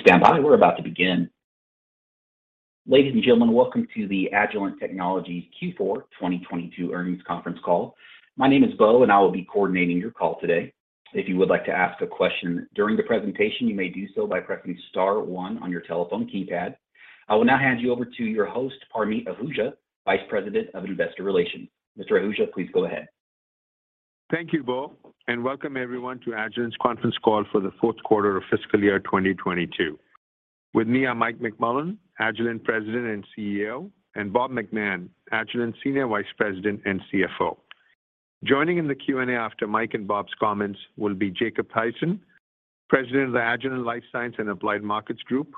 Please stand by. We're about to begin. Ladies and gentlemen, welcome to the Agilent Technologies Q4 2022 earnings conference call. My name is Beau, and I will be coordinating your call today. If you would like to ask a question during the presentation, you may do so by pressing star one on your telephone keypad. I will now hand you over to your host, Parmeet Ahuja, Vice President of Investor Relations. Mr. Ahuja, please go ahead. Thank you, Beau, and welcome everyone to Agilent's conference call for the fourth quarter of fiscal year 2022. With me are Mike McMullen, Agilent President and CEO, and Bob McMahon, Agilent Senior Vice President and CFO. Joining in the Q&A after Mike and Bob's comments will be Jacob Thaysen, President of the Agilent Life Sciences and Applied Markets Group,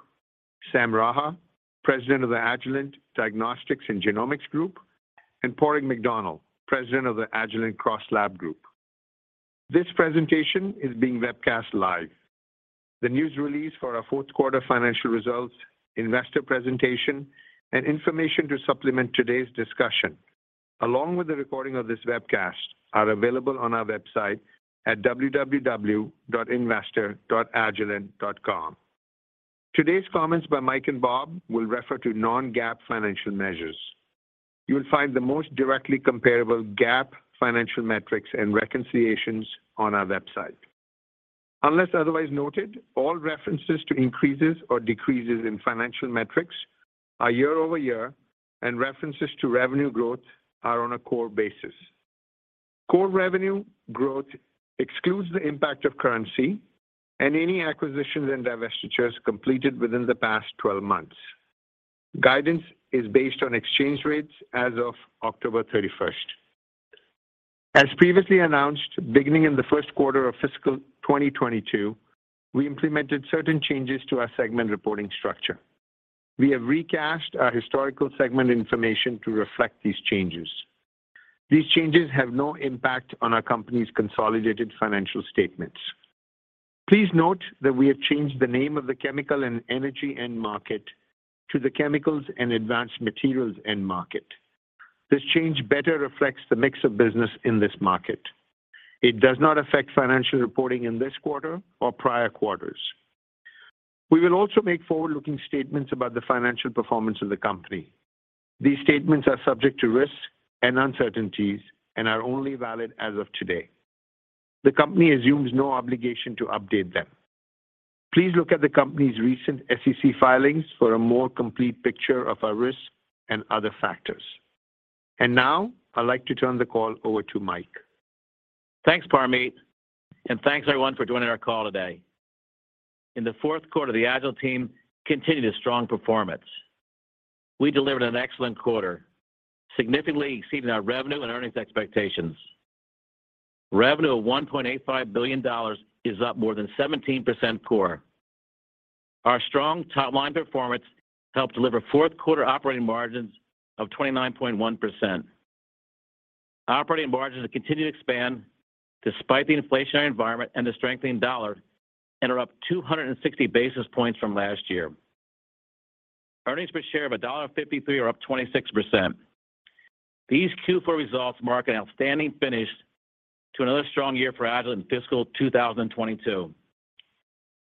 Sam Raha, President of the Agilent Diagnostics and Genomics Group, and Padraig McDonnell, President of the Agilent CrossLab Group. This presentation is being webcast live. The news release for our fourth quarter financial results, investor presentation, and information to supplement today's discussion, along with the recording of this webcast, are available on our website at www.investor.agilent.com. Today's comments by Mike and Bob will refer to non-GAAP financial measures. You will find the most directly comparable GAAP financial metrics and reconciliations on our website. Unless otherwise noted, all references to increases or decreases in financial metrics are year-over-year, and references to revenue growth are on a core basis. Core revenue growth excludes the impact of currency and any acquisitions and divestitures completed within the past 12 months. Guidance is based on exchange rates as of October 31st. As previously announced, beginning in the first quarter of fiscal 2022, we implemented certain changes to our segment reporting structure. We have recast our historical segment information to reflect these changes. These changes have no impact on our company's consolidated financial statements. Please note that we have changed the name of the Chemical and Energy end market to the Chemicals and Advanced Materials end market. This change better reflects the mix of business in this market. It does not affect financial reporting in this quarter or prior quarters. We will also make forward-looking statements about the financial performance of the company. These statements are subject to risks and uncertainties and are only valid as of today. The company assumes no obligation to update them. Please look at the company's recent SEC filings for a more complete picture of our risks and other factors. Now, I'd like to turn the call over to Mike. Thanks, Parmeet. Thanks everyone for joining our call today. In the fourth quarter, the Agilent team continued a strong performance. We delivered an excellent quarter, significantly exceeding our revenue and earnings expectations. Revenue of $1.85 billion is up more than 17% core. Our strong top-line performance helped deliver fourth quarter operating margins of 29.1%. Operating margins continue to expand despite the inflationary environment and the strengthening dollar and are up 260 basis points from last year. Earnings per share of $1.53 are up 26%. These Q4 results mark an outstanding finish to another strong year for Agilent fiscal 2022.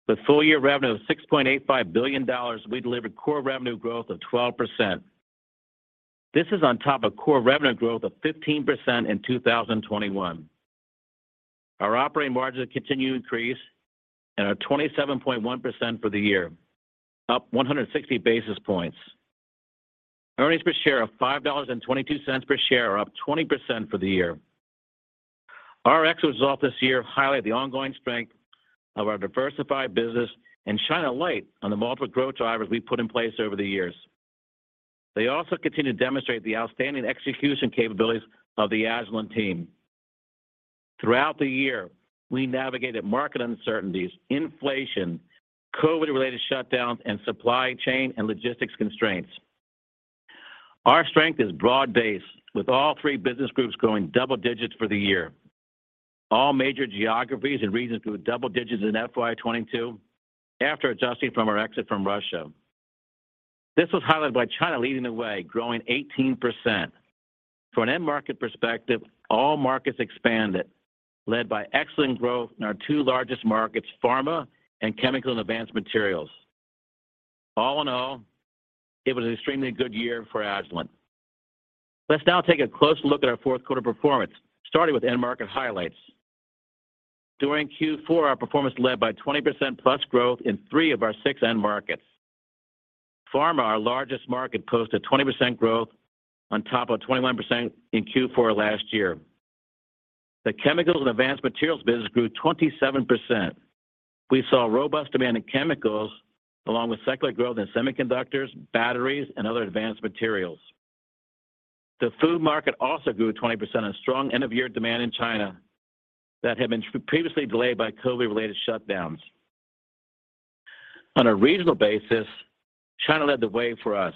With full-year revenue of $6.85 billion, we delivered core revenue growth of 12%. This is on top of core revenue growth of 15% in 2021. Our operating margins continue to increase and are 27.1% for the year, up 160 basis points. Earnings per share of $5.22 per share are up 20% for the year. Our exit result this year highlight the ongoing strength of our diversified business and shine a light on the multiple growth drivers we've put in place over the years. They also continue to demonstrate the outstanding execution capabilities of the Agilent team. Throughout the year, we navigated market uncertainties, inflation, COVID-related shutdowns, and supply chain and logistics constraints. Our strength is broad-based, with all three business groups growing double digits for the year. All major geographies and regions grew double digits in FY 2022 after adjusting from our exit from Russia. This was highlighted by China leading the way, growing 18%. From an end market perspective, all markets expanded, led by excellent growth in our two largest markets, pharma and chemical and advanced materials. All in all, it was an extremely good year for Agilent. Let's now take a close look at our fourth quarter performance, starting with end market highlights. During Q4, our performance led by 20%+ growth in three of our six end markets. Pharma, our largest market, posted 20% growth on top of 21% in Q4 last year. The chemical and advanced materials business grew 27%. We saw robust demand in chemicals along with cyclic growth in semiconductors, batteries, and other advanced materials. The food market also grew 20% on strong end-of-year demand in China that had been previously delayed by COVID-related shutdowns. On a regional basis, China led the way for us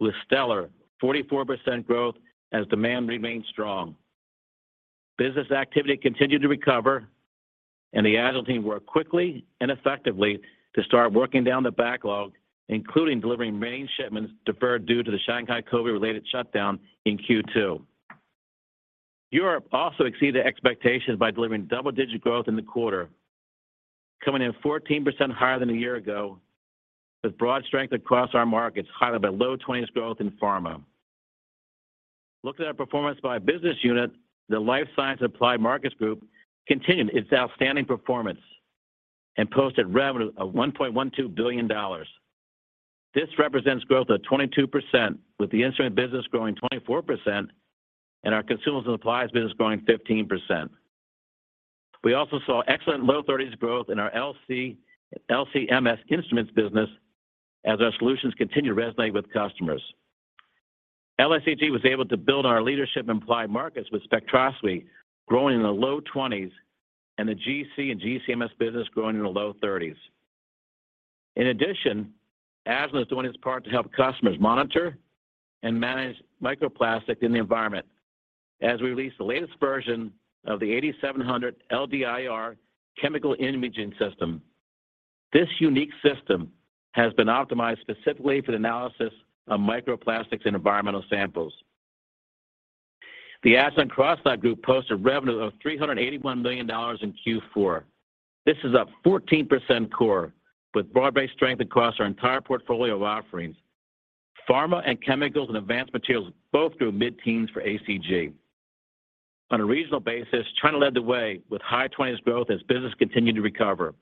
with stellar 44% growth as demand remained strong. Business activity continued to recover, and the Agilent team worked quickly and effectively to start working down the backlog, including delivering many shipments deferred due to the Shanghai COVID-related shutdown in Q2. Europe also exceeded expectations by delivering double-digit growth in the quarter, coming in 14% higher than a year ago, with broad strength across our markets, highlighted by low twenties growth in pharma. Looking at our performance by business unit, the Life Sciences and Applied Markets Group continued its outstanding performance and posted revenue of $1.12 billion. This represents growth of 22%, with the instrument business growing 24% and our consumables and supplies business growing 15%. We also saw excellent low 30% growth in our LC-MS instruments business as our solutions continue to resonate with customers. LSAG was able to build our leadership in applied markets with spectroscopy growing in the low 20% and the GC and GC-MS business growing in the low 30%. Agilent is doing its part to help customers monitor and manage microplastic in the environment as we release the latest version of the 8700 LDIR chemical imaging system. This unique system has been optimized specifically for the analysis of microplastics in environmental samples. The Agilent CrossLab Group posted revenue of $381 million in Q4. This is up 14% core, with broad-based strength across our entire portfolio of offerings. Pharma and chemicals and advanced materials both grew mid-teens for ACG. On a regional basis, China led the way with high 20% growth as business continued to recover.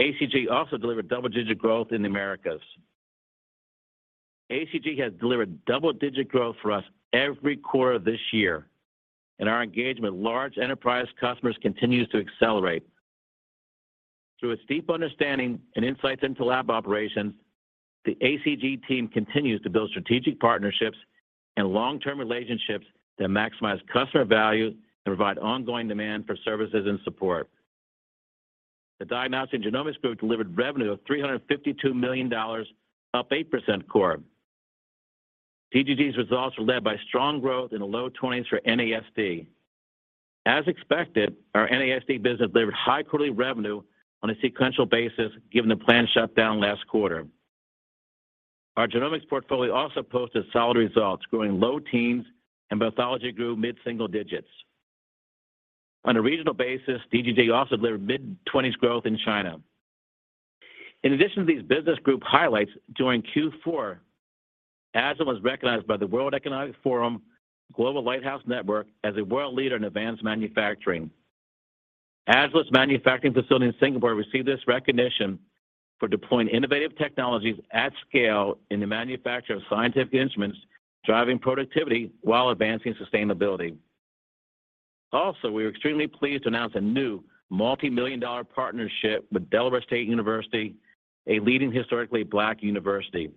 ACG also delivered double-digit growth in the Americas. ACG has delivered double-digit growth for us every quarter this year, and our engagement with large enterprise customers continues to accelerate. Through its deep understanding and insights into lab operations, the ACG team continues to build strategic partnerships and long-term relationships that maximize customer value and provide ongoing demand for services and support. The Diagnostics and Genomics Group delivered revenue of $352 million, up 8% core. DGG's results were led by strong growth in the low 20% for NASD. As expected, our NASD business delivered high quarterly revenue on a sequential basis, given the planned shutdown last quarter. Our genomics portfolio also posted solid results, growing low teens, and pathology grew mid-single digits. On a regional basis, DGG also delivered mid 20% growth in China. To these business group highlights, during Q4, Agilent was recognized by the World Economic Forum Global Lighthouse Network as a world leader in advanced manufacturing. Agilent's manufacturing facility in Singapore received this recognition for deploying innovative technologies at scale in the manufacture of scientific instruments, driving productivity while advancing sustainability. We are extremely pleased to announce a new multi-million dollar partnership with Delaware State University, a leading historically black university.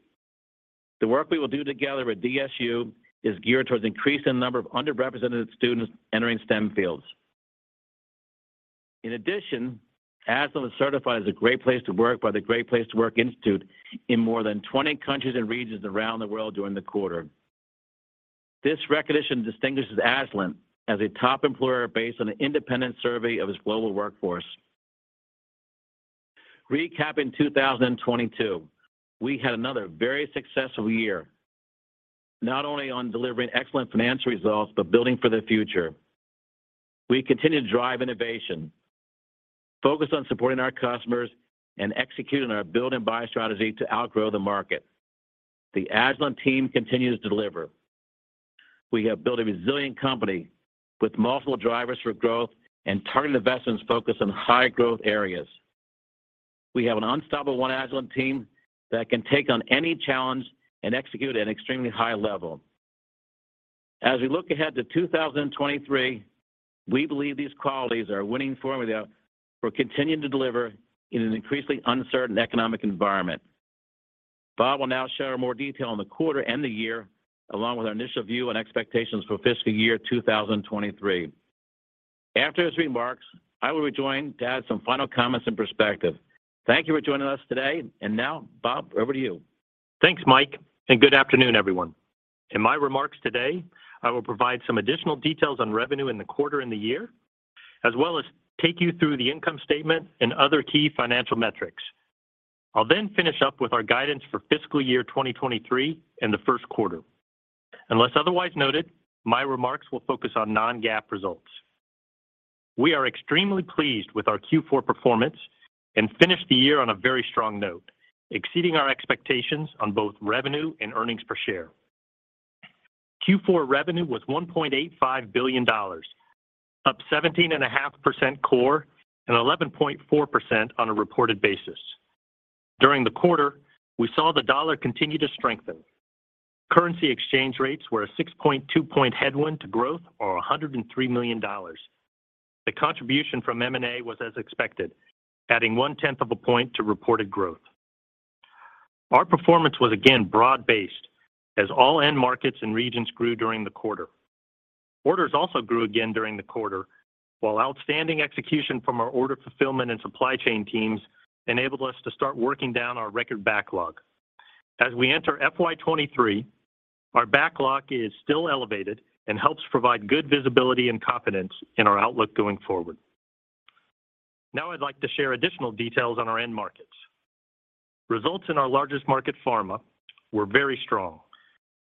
The work we will do together with DSU is geared towards increasing the number of underrepresented students entering STEM fields. Agilent was certified as a great place to work by the Great Place to Work Institute in more than 20 countries and regions around the world during the quarter. This recognition distinguishes Agilent as a top employer based on an independent survey of its global workforce. Recapping 2022, we had another very successful year, not only on delivering excellent financial results, but building for the future. We continued to drive innovation, focused on supporting our customers, and executing our build and buy strategy to outgrow the market. The Agilent team continues to deliver. We have built a resilient company with multiple drivers for growth and targeted investments focused on high-growth areas. We have an unstoppable one Agilent team that can take on any challenge and execute at an extremely high level. As we look ahead to 2023, we believe these qualities are a winning formula for continuing to deliver in an increasingly uncertain economic environment. Bob will now share more detail on the quarter and the year, along with our initial view and expectations for fiscal year 2023. After his remarks, I will rejoin to add some final comments and perspective. Thank you for joining us today. Now, Bob, over to you. Thanks, Mike. Good afternoon, everyone. In my remarks today, I will provide some additional details on revenue in the quarter and the year, as well as take you through the income statement and other key financial metrics. I'll finish up with our guidance for fiscal year 2023 and the 1st quarter. Unless otherwise noted, my remarks will focus on non-GAAP results. We are extremely pleased with our Q4 performance and finished the year on a very strong note, exceeding our expectations on both revenue and earnings per share. Q4 revenue was $1.85 billion, up 17.5% core and 11.4% on a reported basis. During the quarter, we saw the dollar continue to strengthen. Currency exchange rates were a 6.2 point headwind to growth or $103 million. The contribution from M&A was as expected, adding one tenth of a point to reported growth. Our performance was again broad-based as all end markets and regions grew during the quarter. Orders also grew again during the quarter, while outstanding execution from our order fulfillment and supply chain teams enabled us to start working down our record backlog. As we enter FY 2023, our backlog is still elevated and helps provide good visibility and confidence in our outlook going forward. I'd like to share additional details on our end markets. Results in our largest market, pharma, were very strong.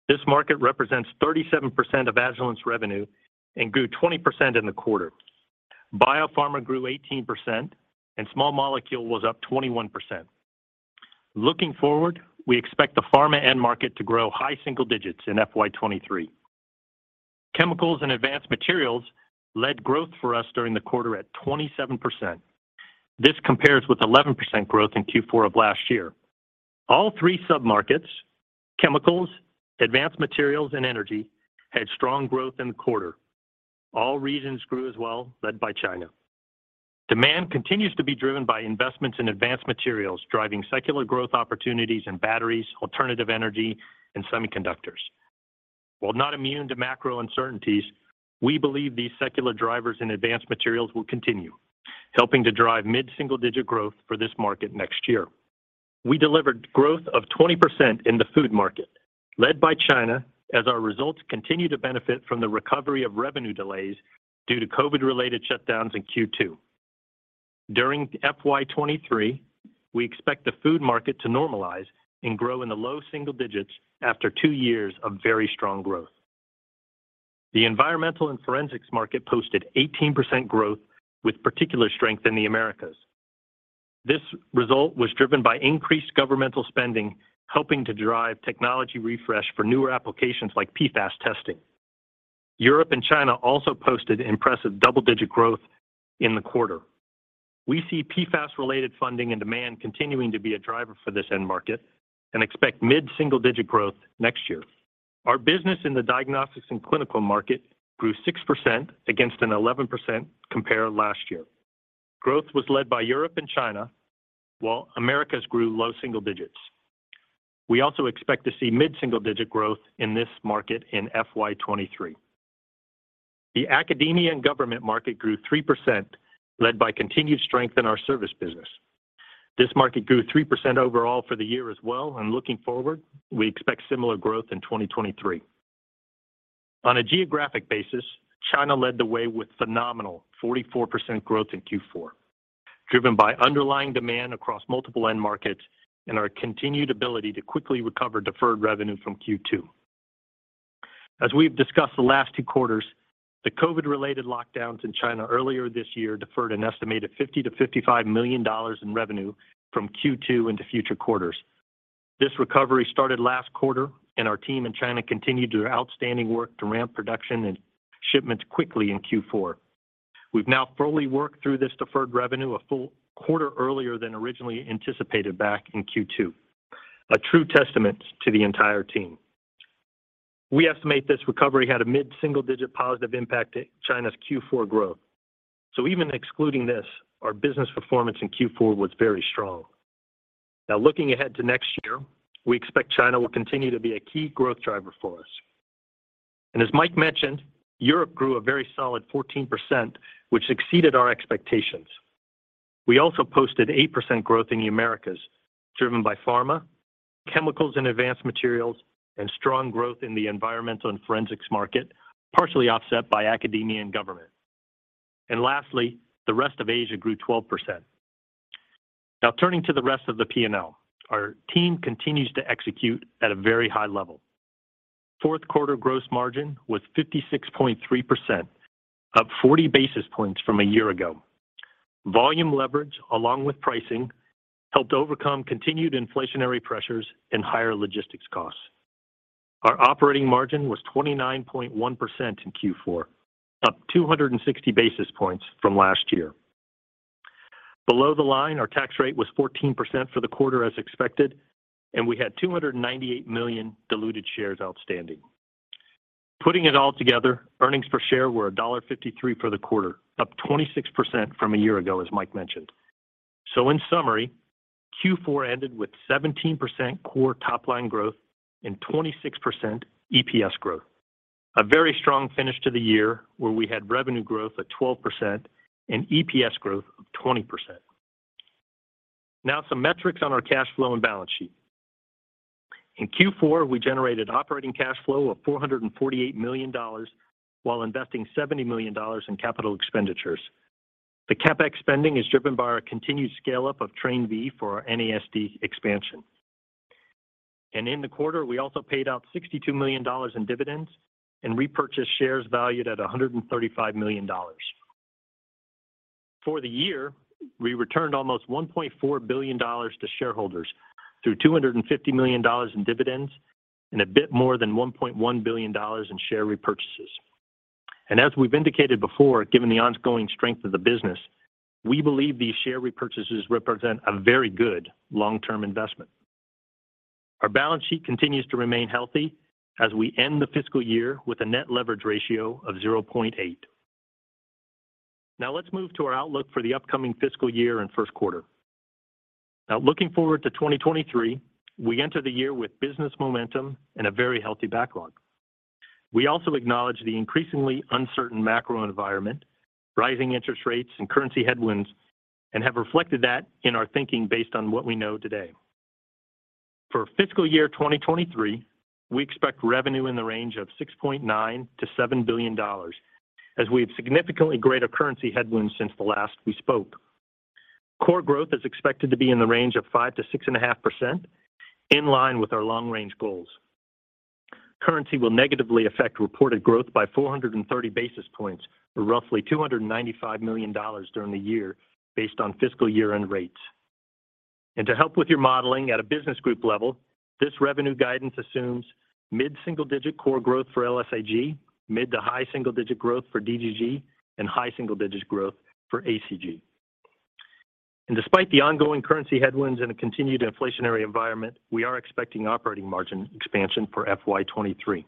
This market represents 37% of Agilent's revenue and grew 20% in the quarter. Biopharma grew 18% and small molecule was up 21%. Looking forward, we expect the pharma end market to grow high single digits in FY 2023. Chemicals and advanced materials led growth for us during the quarter at 27%. This compares with 11% growth in Q4 of last year. All three sub-markets, chemicals, advanced materials, and energy, had strong growth in the quarter. All regions grew as well, led by China. Demand continues to be driven by investments in advanced materials, driving secular growth opportunities in batteries, alternative energy, and semiconductors. While not immune to macro uncertainties, we believe these secular drivers in advanced materials will continue, helping to drive mid-single-digit growth for this market next year. We delivered growth of 20% in the food market, led by China, as our results continue to benefit from the recovery of revenue delays due to COVID-related shutdowns in Q2. During FY 2023, we expect the food market to normalize and grow in the low single digits after two years of very strong growth. The environmental and forensics market posted 18% growth with particular strength in the Americas. This result was driven by increased governmental spending, helping to drive technology refresh for newer applications like PFAS testing. Europe and China also posted impressive double-digit growth in the quarter. We see PFAS-related funding and demand continuing to be a driver for this end market and expect mid-single-digit growth next year. Our business in the diagnostics and clinical market grew 6% against an 11% compare last year. Growth was led by Europe and China, while Americas grew low single digits. We also expect to see mid-single-digit growth in this market in FY 2023. The Academia and Government market grew 3%, led by continued strength in our service business. This market grew 3% overall for the year as well. Looking forward, we expect similar growth in 2023. On a geographic basis, China led the way with phenomenal 44% growth in Q4, driven by underlying demand across multiple end markets and our continued ability to quickly recover deferred revenue from Q2. As we've discussed the last two quarters, the COVID-related lockdowns in China earlier this year deferred an estimated $50 million-$55 million in revenue from Q2 into future quarters. This recovery started last quarter, and our team in China continued their outstanding work to ramp production and shipments quickly in Q4. We've now fully worked through this deferred revenue a full quarter earlier than originally anticipated back in Q2, a true testament to the entire team. We estimate this recovery had a mid-single-digit positive impact to China's Q4 growth. Even excluding this, our business performance in Q4 was very strong. Looking ahead to next year, we expect China will continue to be a key growth driver for us. As Mike mentioned, Europe grew a very solid 14%, which exceeded our expectations. We also posted 8% growth in the Americas, driven by pharma, chemicals and advanced materials, and strong growth in the environmental and forensics market, partially offset by Academic and Government. Lastly, the rest of Asia grew 12%. Turning to the rest of the P&L. Our team continues to execute at a very high level. Fourth quarter gross margin was 56.3%, up 40 basis points from a year ago. Volume leverage, along with pricing, helped overcome continued inflationary pressures and higher logistics costs. Our operating margin was 29.1% in Q4, up 260 basis points from last year. Below the line, our tax rate was 14% for the quarter as expected, and we had 298 million diluted shares outstanding. Putting it all together, earnings per share were $1.53 for the quarter, up 26% from a year ago, as Mike mentioned. In summary, Q4 ended with 17% core top-line growth and 26% EPS growth. A very strong finish to the year where we had revenue growth at 12% and EPS growth of 20%. Some metrics on our cash flow and balance sheet. In Q4, we generated operating cash flow of $448 million while investing $70 million in capital expenditures. The CapEx spending is driven by our continued scale-up of Train B for our NASD expansion. In the quarter, we also paid out $62 million in dividends and repurchased shares valued at $135 million. For the year, we returned almost $1.4 billion to shareholders through $250 million in dividends and a bit more than $1.1 billion in share repurchases. As we've indicated before, given the ongoing strength of the business, we believe these share repurchases represent a very good long-term investment. Our balance sheet continues to remain healthy as we end the fiscal year with a net leverage ratio of 0.8. Let's move to our outlook for the upcoming fiscal year and first quarter. Looking forward to 2023, we enter the year with business momentum and a very healthy backlog. We also acknowledge the increasingly uncertain macro environment, rising interest rates, and currency headwinds, and have reflected that in our thinking based on what we know today. For fiscal year 2023, we expect revenue in the range of $6.9 billion-$7 billion as we have significantly greater currency headwinds since the last we spoke. Core growth is expected to be in the range of 5% to 6.5%, in line with our long-range goals. Currency will negatively affect reported growth by 430 basis points, or roughly $295 million during the year based on fiscal year-end rates. To help with your modeling at a business group level, this revenue guidance assumes mid-single digit core growth for LSAG, mid to high single digit growth for DGG, and high single digits growth for ACG. Despite the ongoing currency headwinds and a continued inflationary environment, we are expecting operating margin expansion for FY 2023.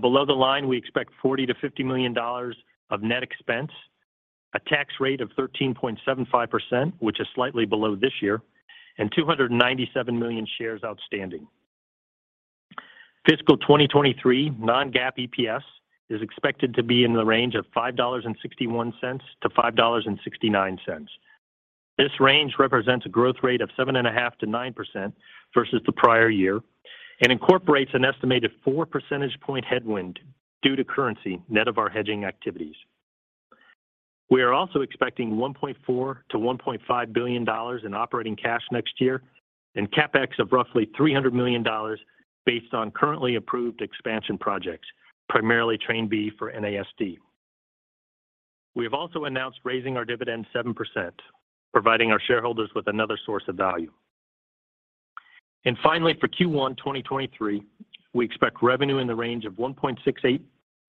Below the line, we expect $40 million-$50 million of net expense, a tax rate of 13.75%, which is slightly below this year, and 297 million shares outstanding. Fiscal 2023 non-GAAP EPS is expected to be in the range of $5.61-$5.69. This range represents a growth rate of 7.5%-9% versus the prior year and incorporates an estimated 4 percentage point headwind due to currency net of our hedging activities. We are also expecting $1.4 billion-$1.5 billion in operating cash next year and CapEx of roughly $300 million based on currently approved expansion projects, primarily Train B for NASD. We have also announced raising our dividend 7%, providing our shareholders with another source of value. For Q1 2023, we expect revenue in the range of $1.68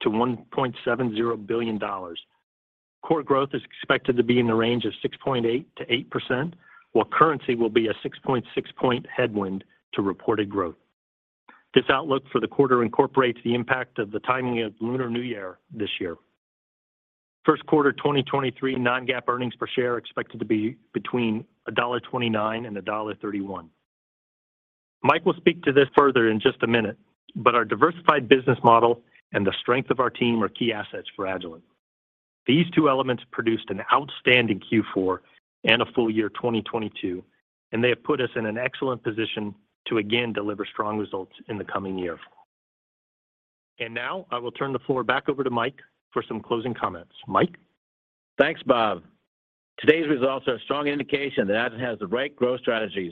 billion-$1.70 billion. Core growth is expected to be in the range of 6.8%-8%, while currency will be a 6.6% headwind to reported growth. This outlook for the quarter incorporates the impact of the timing of Lunar New Year this year. First quarter 2023 non-GAAP earnings per share expected to be between $1.29 and $1.31. Mike will speak to this further in just a minute. Our diversified business model and the strength of our team are key assets for Agilent. These two elements produced an outstanding Q4 and a full-year 2022. They have put us in an excellent position to again deliver strong results in the coming year. Now I will turn the floor back over to Mike for some closing comments. Mike? Thanks, Bob. Today's results are a strong indication that Agilent has the right growth strategies,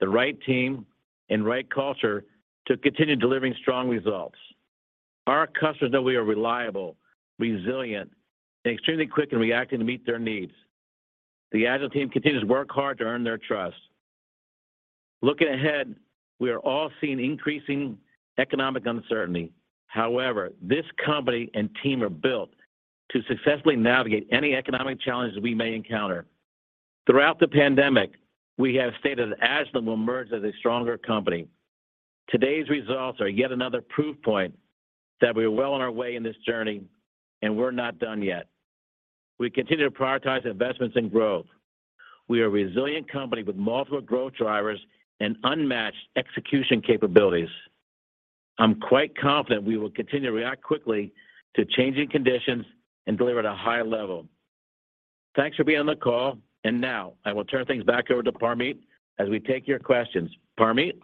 the right team, and right culture to continue delivering strong results. Our customers know we are reliable, resilient, and extremely quick in reacting to meet their needs. The Agilent team continues to work hard to earn their trust. Looking ahead, we are all seeing increasing economic uncertainty. However, this company and team are built to successfully navigate any economic challenges we may encounter. Throughout the pandemic, we have stated Agilent will emerge as a stronger company. Today's results are yet another proof point that we're well on our way in this journey, and we're not done yet. We continue to prioritize investments and growth. We are a resilient company with multiple growth drivers and unmatched execution capabilities. I'm quite confident we will continue to react quickly to changing conditions and deliver at a high level. Thanks for being on the call, and now I will turn things back over to Parmeet as we take your questions. Parmeet?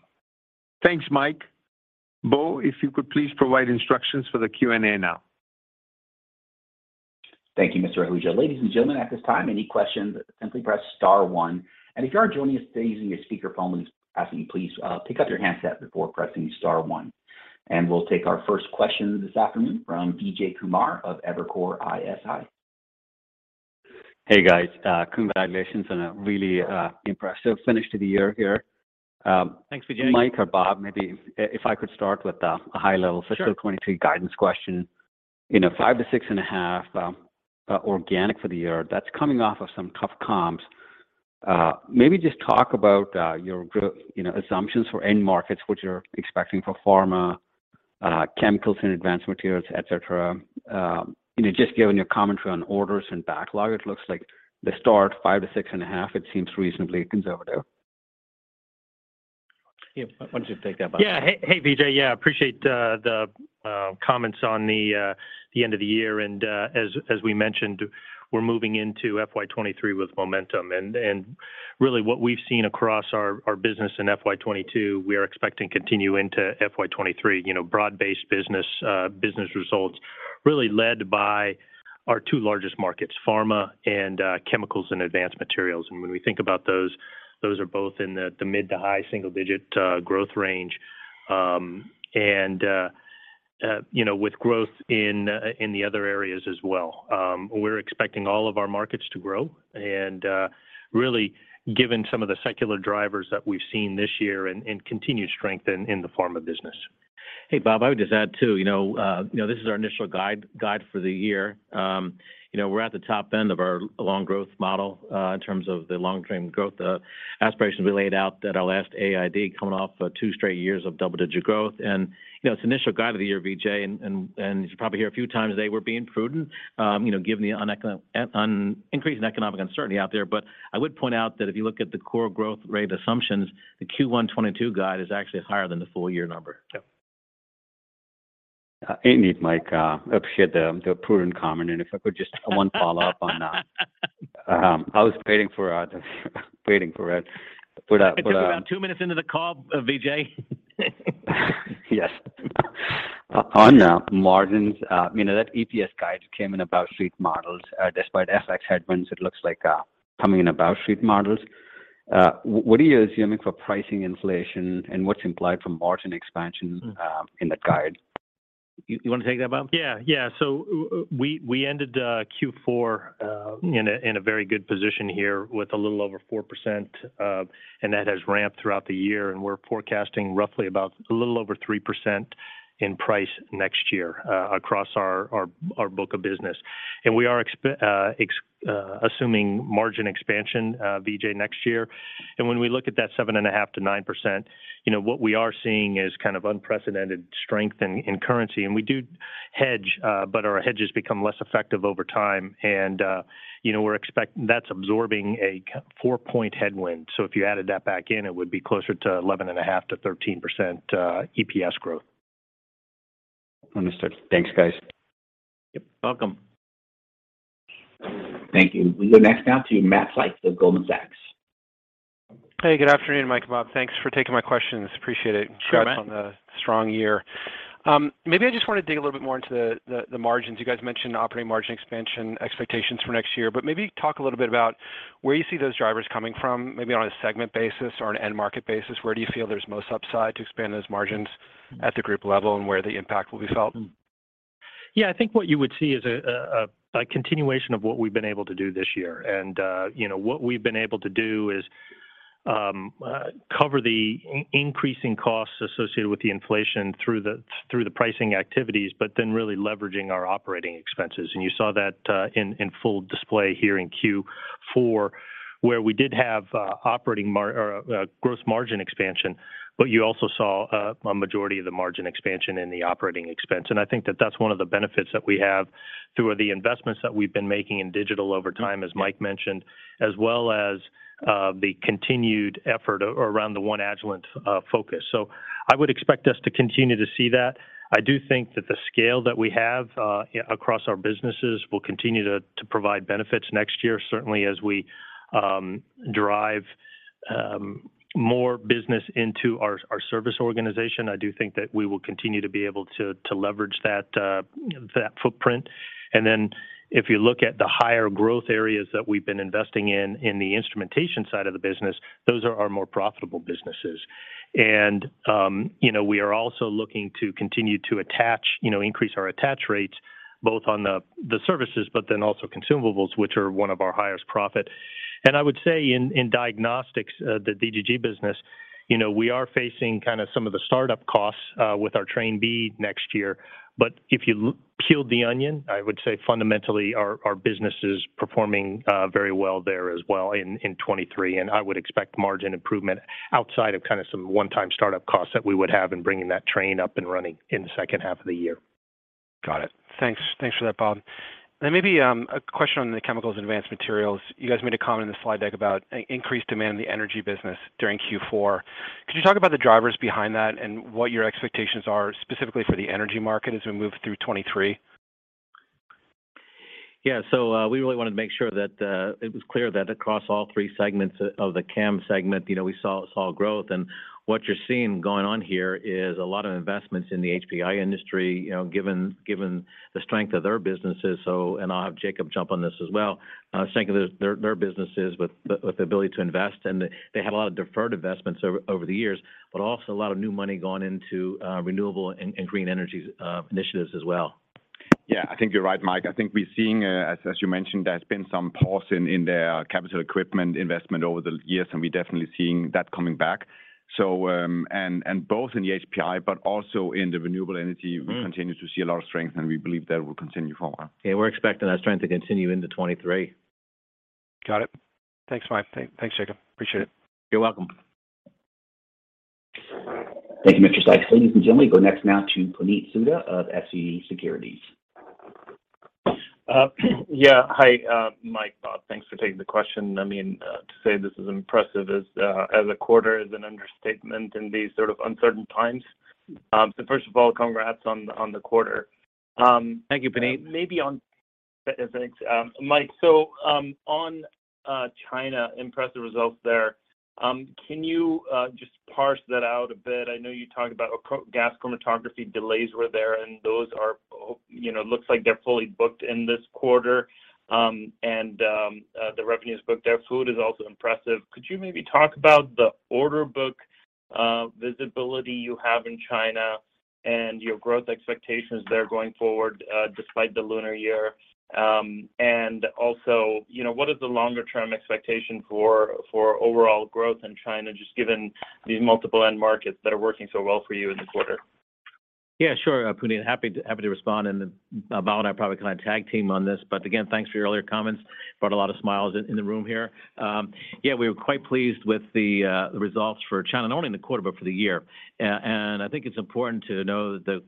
Thanks, Mike. Beau, if you could please provide instructions for the Q&A now. Thank you, Mr. Ahuja. Ladies and gentlemen, at this time, any questions, simply press star one. If you are joining us today using a speakerphone, we just ask that you please pick up your handset before pressing star one. We'll take our first question this afternoon from Vijay Kumar of Evercore ISI. Hey, guys. Congratulations on a really, impressive finish to the year here. Thanks, Vijay. Mike or Bob, maybe if I could start with a high level. Sure. fiscal 23 guidance question? You know, 5%-6.5% organic for the year, that's coming off of some tough comps. Maybe just talk about your you know, assumptions for end markets, what you're expecting for pharma, chemicals and advanced materials, et cetera. You know, just given your commentary on orders and backlog, it looks like the start 5%-6.5%, it seems reasonably conservative. Yeah. Why don't you take that, Bob? Yeah. Hey, Vijay. Yeah, appreciate the comments on the end of the year. As we mentioned, we're moving into FY 2023 with momentum. Really what we've seen across our business in FY 2022, we are expecting continue into FY 2023. You know, broad-based business results really led by our two largest markets, pharma and chemicals and advanced materials. When we think about those are both in the mid-to-high single-digit growth range. You know, with growth in the other areas as well. We're expecting all of our markets to grow, and really given some of the secular drivers that we've seen this year and continued strength in the pharma business. Hey, Bob, I would just add too, you know, you know, this is our initial guide for the year. You know, we're at the top end of our long growth model in terms of the long-term growth aspirations we laid out at our last AID coming off two straight years of double-digit growth. You know, it's initial guide of the year, Vijay, and as you probably hear a few times today, we're being prudent, you know, given the increasing economic uncertainty out there. I would point out that if you look at the core growth rate assumptions, the Q1 2022 guide is actually higher than the full-year number. Yeah. Ain't need, Mike. Appreciate the prudent comment. If I could just, one follow-up on, I was waiting for the. It took around two minutes into the call, Vijay. Yes. On margins, you know that EPS guide came in about street models. Despite FX headwinds, it looks like, coming in about street models. What are you assuming for pricing inflation and what's implied from margin expansion in the guide? You wanna take that, Bob? Yeah. Yeah. We ended Q4 in a very good position here with a little over 4%, and that has ramped throughout the year, and we're forecasting roughly about a little over 3% in price next year across our book of business. We are assuming margin expansion, Vijay, next year. When we look at that 7.5%-9%, you know, what we are seeing is kind of unprecedented strength in currency. We do hedge, but our hedges become less effective over time and, you know, we're expect-- that's absorbing a 4 point headwind. If you added that back in, it would be closer to 11.5%-13% EPS growth. Understood. Thanks, guys. Yep, welcome. Thank you. We go next now to Matthew Sykes of Goldman Sachs. Hey, good afternoon, Mike, Bob. Thanks for taking my questions. Appreciate it. Sure, Matt. Congrats on the strong year. Maybe I just wanna dig a little bit more into the margins. You guys mentioned operating margin expansion expectations for next year, but maybe talk a little bit about where you see those drivers coming from, maybe on a segment basis or an end market basis. Where do you feel there's most upside to expand those margins at the group level, and where the impact will be felt? Yeah. I think what you would see is a continuation of what we've been able to do this year. You know, what we've been able to do is cover the increasing costs associated with the inflation through the pricing activities, really leveraging our operating expenses. You saw that in full display here in Q4, where we did have operating or gross margin expansion, you also saw a majority of the margin expansion in the operating expense. I think that's one of the benefits that we have through the investments that we've been making in digital over time, as Mike mentioned, as well as the continued effort around the One Agilent focus. I would expect us to continue to see that. I do think that the scale that we have across our businesses will continue to provide benefits next year, certainly as we drive more business into our service organization. I do think that we will continue to be able to leverage that footprint. If you look at the higher growth areas that we've been investing in the instrumentation side of the business, those are our more profitable businesses. You know, we are also looking to continue to attach, you know, increase our attach rates both on services, also consumables, which are one of our highest profit. I would say in diagnostics, the DGG business, you know, we are facing kind of some of the startup costs with our Train B next year. If you peeled the onion, I would say fundamentally our business is performing very well there as well in 2023. I would expect margin improvement outside of kind of some one-time startup costs that we would have in bringing that train up and running in the second half of the year. Got it. Thanks. Thanks for that, Bob. Now maybe, a question on the chemicals advanced materials. You guys made a comment in the slide deck about increased demand in the energy business during Q4. Could you talk about the drivers behind that and what your expectations are specifically for the energy market as we move through 2023? Yeah. We really wanted to make sure that it was clear that across all three segments of the CAM segment, you know, we saw growth. What you're seeing going on here is a lot of investments in the HPI industry, you know, given the strength of their businesses. I'll have Jacob jump on this as well. Strength of their businesses with the ability to invest, and they had a lot of deferred investments over the years, but also a lot of new money going into renewable and green energy initiatives as well. Yeah. I think you're right, Mike. I think we're seeing, as you mentioned, there's been some pause in their capital equipment investment over the years. We're definitely seeing that coming back. Both in the HPI, but also in the renewable energy Mm. We continue to see a lot of strength, and we believe that will continue for a while. Yeah, we're expecting that strength to continue into 2023. Got it. Thanks, Mike. Thanks, Jacob. Appreciate it. You're welcome. Thank you, Mr. Sykes. Ladies and gentlemen, we go next now to Puneet Souda of SVB Securities. Yeah. Hi, Mike, Bob. Thanks for taking the question. I mean, to say this is impressive as a quarter is an understatement in these sort of uncertain times. First of all, congrats on the quarter. Thank you, Puneet. Maybe on... Thanks, Mike. On China, impressive results there. Can you just parse that out a bit? I know you talked about gas chromatography delays were there, and those are, you know, looks like they're fully booked in this quarter. The revenues booked there too is also impressive. Could you maybe talk about the order book visibility you have in China and your growth expectations there going forward despite the Lunar New Year? You know, what is the longer term expectation for overall growth in China, just given these multiple end markets that are working so well for you in the quarter? Yeah, sure, Puneet. Happy to respond, and then Bob and I probably kind of tag team on this, but again, thanks for your earlier comments. Brought a lot of smiles in the room here. Yeah, we were quite pleased with the results for China, not only in the quarter, but for the year. And I think it's important to know that the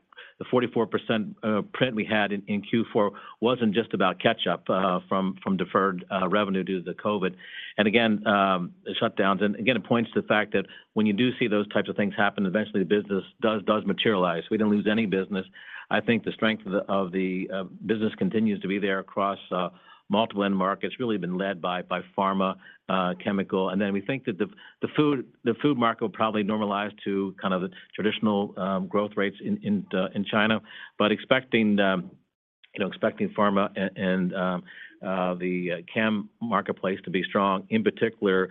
44% print we had in Q4 wasn't just about catch-up from deferred revenue due to the COVID. Again, the shutdowns. Again, it points to the fact that when you do see those types of things happen, eventually the business does materialize. We didn't lose any business. I think the strength of the business continues to be there across multiple end markets. Really been led by pharma, chemical. We think that the food market will probably normalize to kind of the traditional growth rates in China. Expecting, you know, expecting pharma and the chem marketplace to be strong. In particular,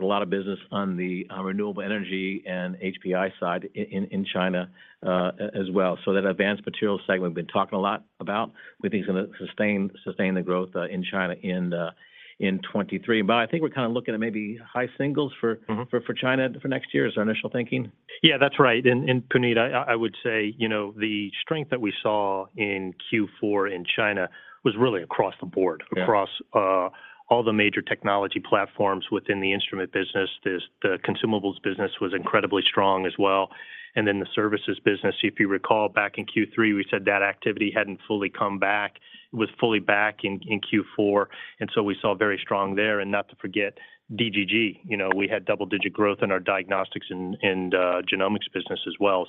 a lot of business on the renewable energy and HPI side in China as well. That advanced materials segment we've been talking a lot about, we think it's gonna sustain the growth in China in 2023. I think we're kind of looking at maybe high singles Mm-hmm for China for next year is our initial thinking. Yeah, that's right. Puneet, I would say, you know, the strength that we saw in Q4 in China was really across the board. Yeah. Across all the major technology platforms within the instrument business. The consumables business was incredibly strong as well. The services business, if you recall back in Q3, we said that activity hadn't fully come back. It was fully back in Q4, we saw very strong there. Not to forget DGG. You know, we had double-digit growth in our diagnostics and genomics business as well.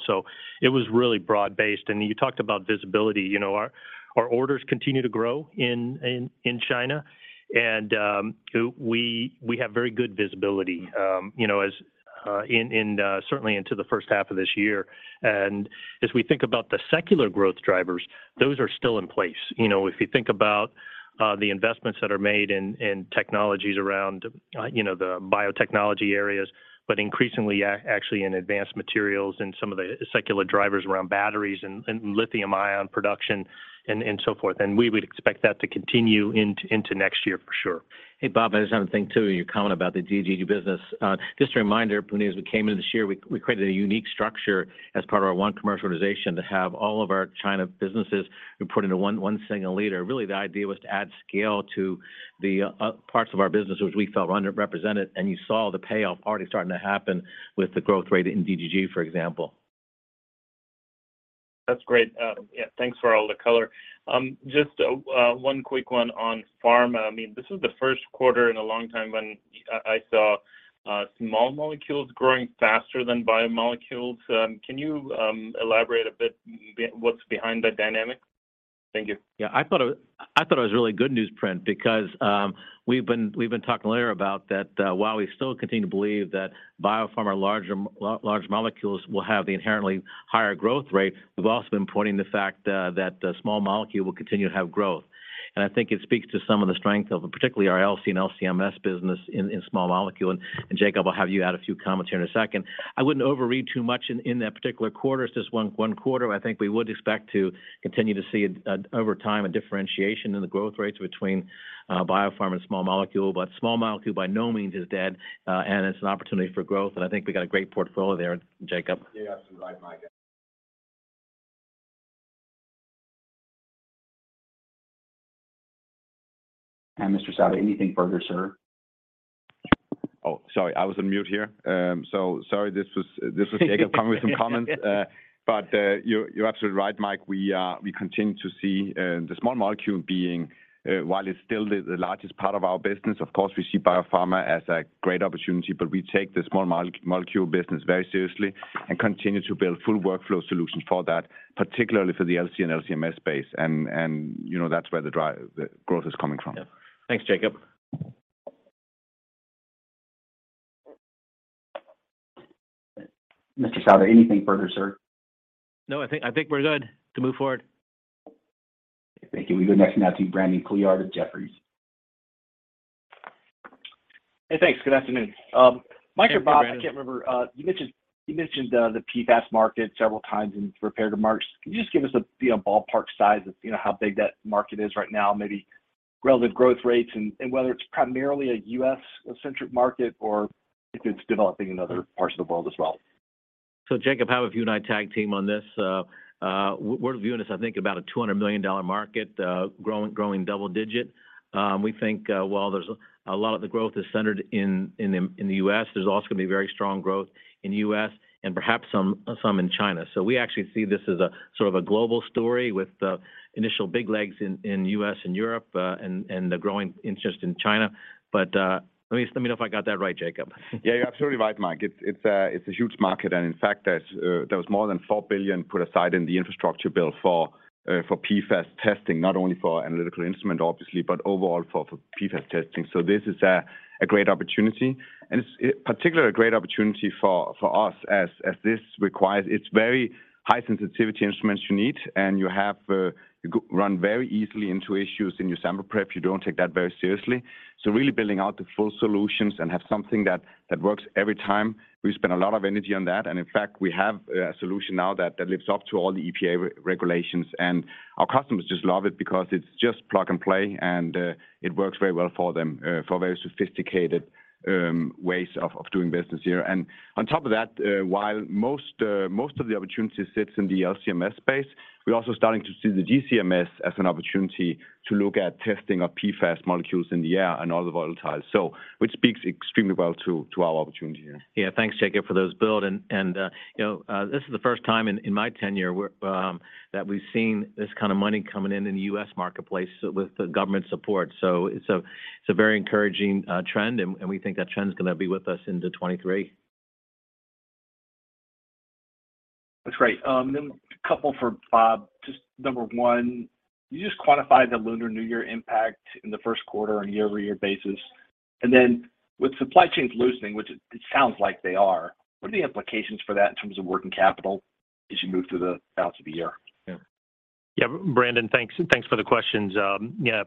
It was really broad-based. You talked about visibility. You know, our orders continue to grow in China. We have very good visibility, you know, as certainly into the first half of this year. As we think about the secular growth drivers, those are still in place. You know, if you think about the investments that are made in technologies around, you know, the biotechnology areas, but increasingly actually in advanced materials and some of the secular drivers around batteries and lithium ion production and so forth. We would expect that to continue into next year for sure. Hey, Bob, I just have a thing too, your comment about the DGG business. Just a reminder, Puneet, as we came into this year, we created a unique structure as part of our One Commercialization to have all of our China businesses report into one single leader. The idea was to add scale to the parts of our business which we felt underrepresented, you saw the payoff already starting to happen with the growth rate in DGG, for example. That's great. Thanks for all the color. Just one quick one on pharma. I mean, this is the first quarter in a long time when I saw small molecules growing faster than biomolecules. Can you elaborate a bit what's behind that dynamic? Thank you. Yeah. I thought it was really good news, Puneet, because we've been talking earlier about that while we still continue to believe that biopharma larger, large molecules will have the inherently higher growth rate, we've also been pointing the fact that the small molecule will continue to have growth. I think it speaks to some of the strength of particularly our LC and LC-MS business in small molecule. Jacob, I'll have you add a few comments here in a second. I wouldn't overread too much in that particular quarter. It's just one quarter. I think we would expect to continue to see a over time a differentiation in the growth rates between biopharma and small molecule. Small molecule by no means is dead, and it's an opportunity for growth, and I think we've got a great portfolio there, Jacob. Yeah, you're absolutely right, Mike. Mr. Sauer, anything further, sir? Oh, sorry. I was on mute here. So sorry. This was Jacob coming with some comments. You're absolutely right, Mike. We continue to see the small molecule being, while it's still the largest part of our business, of course, we see biopharma as a great opportunity, but we take the small molecule business very seriously and continue to build full workflow solutions for that, particularly for the LC and LC-MS space. You know, that's where the growth is coming from. Yeah. Thanks, Jacob. Mr. Sauer, anything further, sir? No. I think we're good to move forward. Thank you. We go next now to Brandon Couillard of Jefferies. Hey, thanks. Good afternoon. Mike or Bob. Hey, Brandon.... I can't remember. You mentioned the PFAS market several times in prepared remarks. Can you just give us a, you know, ballpark size of, you know, how big that market is right now? Maybe relative growth rates and whether it's primarily a U.S. centric market or if it's developing in other parts of the world as well? Jacob, how about you and I tag team on this? We're viewing this, I think, about a $200 million market, growing double-digit. We think, while there's a lot of the growth is centered in the U.S., there's also gonna be very strong growth in the U.S. and perhaps some in China. We actually see this as a sort of a global story with the initial big legs in U.S. and Europe, and the growing interest in China. Please let me know if I got that right, Jacob. Yeah. You're absolutely right, Mike. It's a huge market. In fact, there was more than $4 billion put aside in the infrastructure bill for PFAS testing, not only for analytical instrument obviously, but overall for PFAS testing. This is a great opportunity, and it's particularly a great opportunity for us. It's very high sensitivity instruments you need, and you have you run very easily into issues in your sample prep if you don't take that very seriously. Really building out the full solutions and have something that works every time, we spend a lot of energy on that. In fact, we have a solution now that lives up to all the EPA re-regulations, and our customers just love it because it's just plug and play, and it works very well for them, for very sophisticated ways of doing business here. On top of that, while most of the opportunity sits in the LC-MS space, we're also starting to see the GC-MS as an opportunity to look at testing of PFAS molecules in the air and other volatiles. Which speaks extremely well to our opportunity here. Yeah. Thanks, Jacob, for those build. You know, this is the first time in my tenure we're that we've seen this kind of money coming in in the U.S. marketplace with the government support. So it's a very encouraging trend, and we think that trend's gonna be with us into 2023. That's great. A couple for Bob. Just number one, you just quantified the Lunar New Year impact in the first quarter on a year-over-year basis. With supply chains loosening, which it sounds like they are, what are the implications for that in terms of working capital as you move through the balance of the year? Yeah. Yeah. Brandon, thanks. Thanks for the questions. Yeah.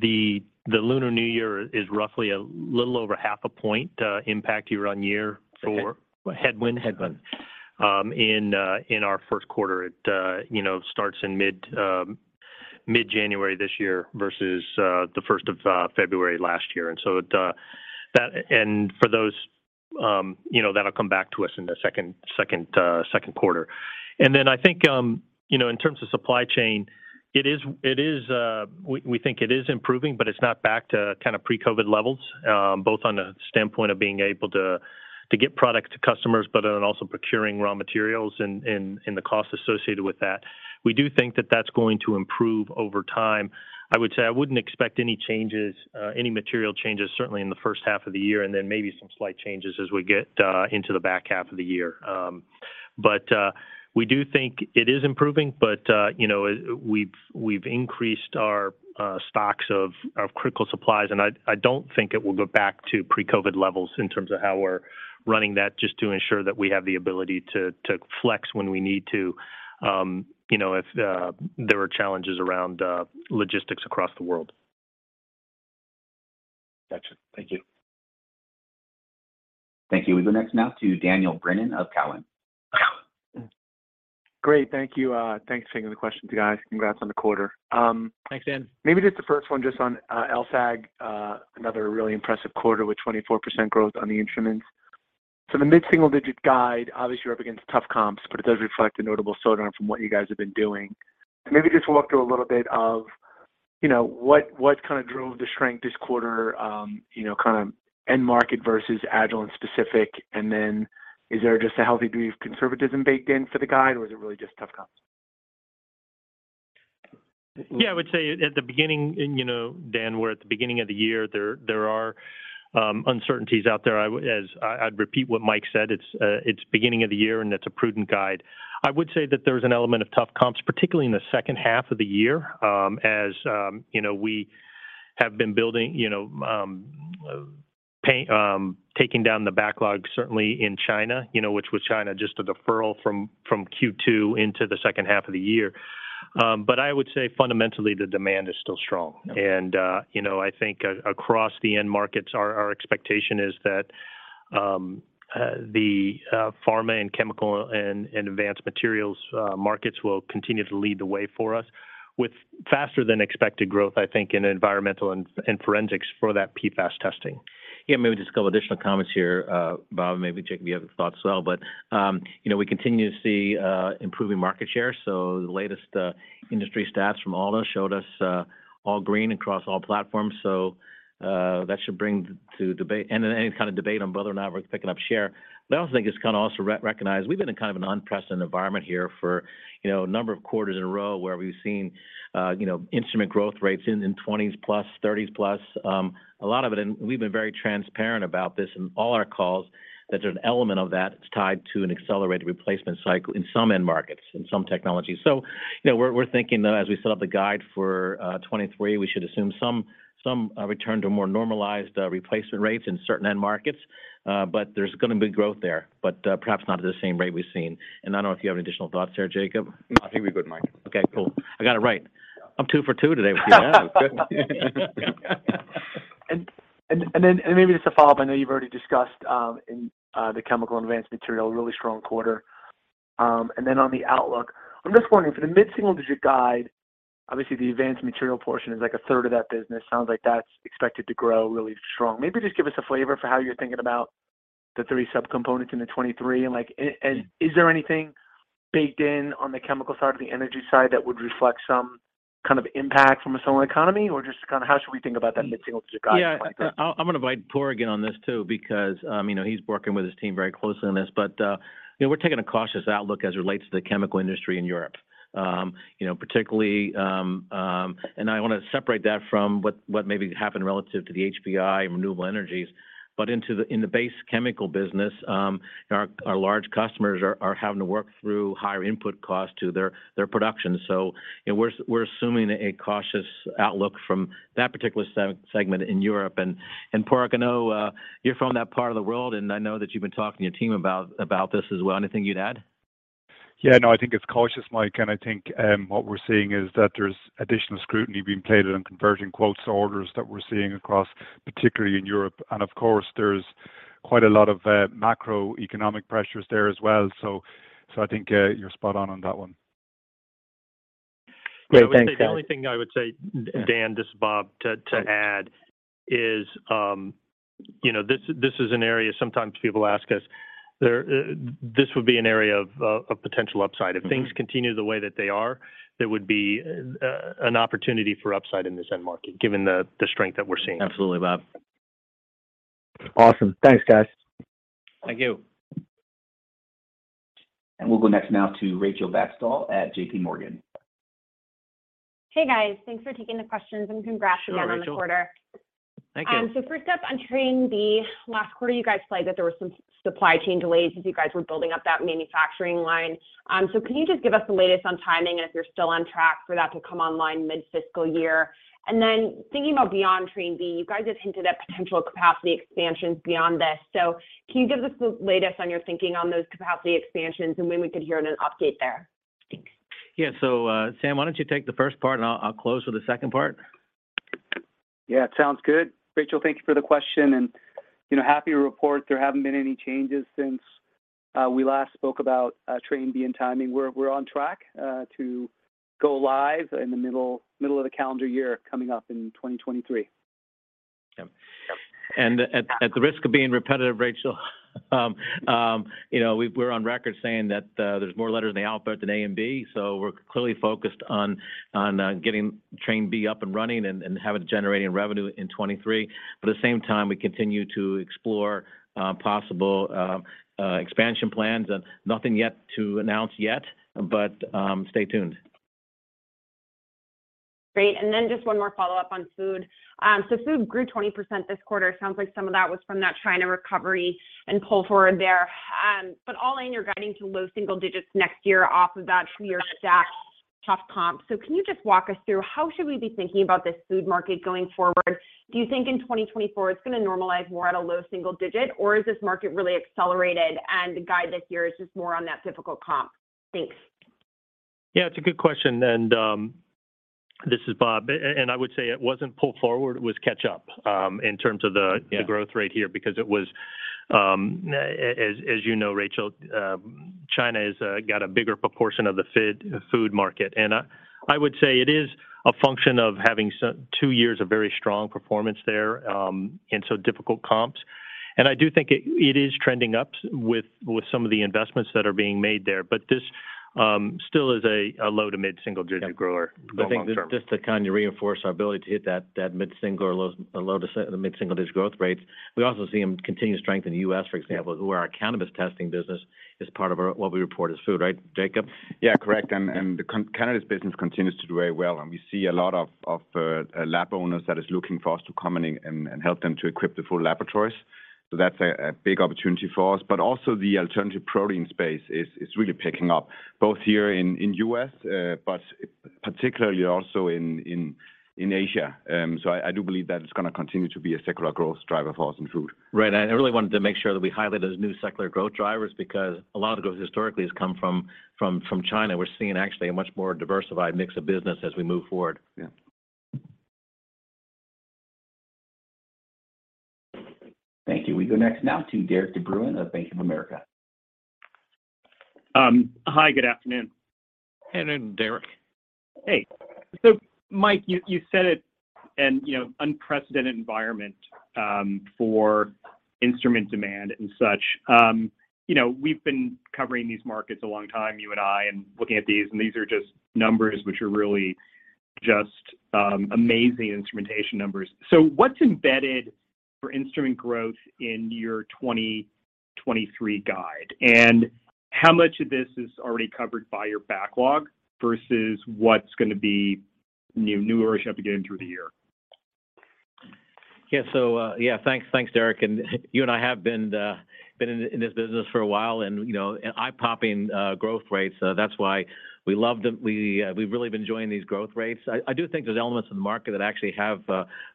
The Lunar New Year is roughly a little over half a point impact year-on-year. Okay a headwind. Headwind. In our first quarter. It, you know, starts in mid-January this year versus the first of February last year. For those, you know, that'll come back to us in the second quarter. I think, you know, in terms of supply chain, it is. We think it is improving, but it's not back to kind of pre-COVID levels, both on the standpoint of being able to get product to customers, but then also procuring raw materials and the cost associated with that. We do think that that's going to improve over time. I would say I wouldn't expect any changes, any material changes, certainly in the first half of the year, and then maybe some slight changes as we get into the back half of the year. We do think it is improving, but, you know, we've increased our stocks of critical supplies, and I don't think it will go back to pre-COVID levels in terms of how we're running that, just to ensure that we have the ability to flex when we need to, you know, if there are challenges around logistics across the world. Gotcha. Thank you. Thank you. We go next now to Daniel Brennan of Cowen. Great. Thank you. Thanks for taking the questions, guys. Congrats on the quarter. Thanks, Dan. Maybe just the first one just on LSAG. Another really impressive quarter with 24% growth on the instruments. The mid-single-digit guide, obviously you're up against tough comps, but it does reflect a notable slowdown from what you guys have been doing. Maybe just walk through a little bit of, you know, what kind of drove the strength this quarter, you know, kind of end market versus Agilent specific. Is there just a healthy degree of conservatism baked in for the guide, or is it really just tough comps? Yeah. I would say at the beginning, and, you know, Dan, we're at the beginning of the year. There are uncertainties out there. As I'd repeat what Mike said, it's beginning of the year, and it's a prudent guide. I would say that there's an element of tough comps, particularly in the second half of the year, as, you know, we have been building, you know, taking down the backlog certainly in China, you know, which was China just a deferral from Q2 into the second half of the year. I would say fundamentally the demand is still strong. Yeah. You know, I think across the end markets, our expectation is that the pharma and chemical and advanced materials markets will continue to lead the way for us with faster than expected growth, I think, in environmental and forensics for that PFAS testing. Yeah. Maybe just a couple additional comments here, Bob. Maybe, Jacob, you have thoughts as well. You know, we continue to see improving market share. The latest industry stats from all those showed us all green across all platforms. That should end any kind of debate on whether or not we're picking up share. I also think it's kind of also re-recognized. We've been in kind of an unprecedented environment here for, you know, a number of quarters in a row where we've seen, you know, instrument growth rates in 20%+, 30%+. A lot of it, and we've been very transparent about this in all our calls, that an element of that is tied to an accelerated replacement cycle in some end markets, in some technologies. You know, we're thinking though as we set up the guide for 2023, we should assume some return to more normalized replacement rates in certain end markets. There's gonna be growth there, but perhaps not at the same rate we've seen. I don't know if you have any additional thoughts there, Jacob. No, I think we good, Mike. Okay, cool. I got it right. I'm two for two today with you guys. Maybe just to follow up, I know you've already discussed, in the chemical and advanced material, a really strong quarter. On the outlook, I'm just wondering, for the mid-single-digit guide, obviously the advanced material portion is like a third of that business. Sounds like that's expected to grow really strong. Maybe just give us a flavor for how you're thinking about the 3 subcomponents into 2023. Like, and is there anything baked in on the chemical side or the energy side that would reflect some kind of impact from a solar economy? Or just kind of how should we think about that mid-single-digit guide in 2023? Yeah. I'm gonna invite Padraig in on this too because, you know, he's working with his team very closely on this. You know, we're taking a cautious outlook as it relates to the chemical industry in Europe. You know, particularly. I wanna separate that from what maybe happened relative to the HBI and renewable energies. In the base chemical business, our large customers are having to work through higher input costs to their production. You know, we're assuming a cautious outlook from that particular segment in Europe. Padraig, I know, you're from that part of the world, and I know that you've been talking to your team about this as well. Anything you'd add? Yeah. No, I think it's cautious, Mike. I think, what we're seeing is that there's additional scrutiny being played in converting quotes to orders that we're seeing across, particularly in Europe. Of course, there's quite a lot of macroeconomic pressures there as well. I think, you're spot on on that one. Great. Thanks, guys. The only thing I would say, D-Dan, this is Bob, to add is, you know, this is an area sometimes people ask us. This would be an area of potential upside. If things continue the way that they are, there would be an opportunity for upside in this end market, given the strength that we're seeing. Absolutely, Bob. Awesome. Thanks, guys. Thank you. We'll go next no to Rachel Vatnsdal at JPMorgan. Hey guys, thanks for taking the questions, and congrats again on the quarter. Sure, Rachel. Thank you. First up, on Train B, last quarter you guys flagged that there was some supply chain delays as you guys were building up that manufacturing line. Can you just give us the latest on timing and if you're still on track for that to come online mid-fiscal year? Thinking about beyond Train B, you guys have hinted at potential capacity expansions beyond this. Can you give us the latest on your thinking on those capacity expansions and when we could hear an update there? Thanks. Yeah. Sam, why don't you take the first part and I'll close with the second part? Yeah, it sounds good. Rachel, thank you for the question. You know, happy to report there haven't been any changes since we last spoke about Train B and timing. We're on track to go live in the middle of the calendar year coming up in 2023. Yeah. Yeah. At the risk of being repetitive, Rachel, you know, we're on record saying that there's more letters in the alphabet than A and B, so we're clearly focused on getting Train B up and running and have it generating revenue in 2023. At the same time, we continue to explore possible expansion plans. Nothing yet to announce yet, but stay tuned. Great. Just one more follow-up on food. Food grew 20% this quarter. Sounds like some of that was from that China recovery and pull forward there. All in, you're guiding to low single digits next year off of that two year stacked tough comp. Can you just walk us through how should we be thinking about this food market going forward? Do you think in 2024 it's gonna normalize more at a low single digit, or is this market really accelerated and the guide this year is just more on that difficult comp? Thanks. Yeah, it's a good question. This is Bob. I would say it wasn't pull forward, it was catch up, in terms of the. Yeah the growth rate here because it was, as you know Rachel, China is got a bigger proportion of the food market. I would say it is a function of having two years of very strong performance there, and so difficult comps. I do think it is trending up with some of the investments that are being made there. This still is a low to mid-single digit grower going long-term. I think just to kind of reinforce our ability to hit that mid-single or low to mid-single-digit growth rates, we also see them continue to strengthen the U.S., for example, who our cannabis testing business is part of our, what we report as food, right, Jacob? Yeah, correct. The cannabis business continues to do very well. We see a lot of lab owners that is looking for us to come in and help them to equip the full laboratories. That's a big opportunity for us. Also the alternative protein space is really picking up both here in US, but particularly also in Asia. I do believe that it's gonna continue to be a secular growth driver for us in food. Right. I really wanted to make sure that we highlight those new secular growth drivers because a lot of growth historically has come from China. We're seeing actually a much more diversified mix of business as we move forward. Yeah. Thank you. We go next now to Derik de Bruin of Bank of America. Hi, good afternoon. Good afternoon, Derik. Hey. Mike, you said it, you know, unprecedented environment for instrument demand and such. You know, we've been covering these markets a long time, you and I, and looking at these, and these are just numbers which are really just amazing instrumentation numbers. What's embedded for instrument growth in your 2023 guide? How much of this is already covered by your backlog versus what's gonna be new ownership to get in through the year? Yeah. Yeah, thanks, Derik. You and I have been in this business for a while and, you know, eye-popping growth rates, that's why we love them. We've really been enjoying these growth rates. I do think there's elements in the market that actually have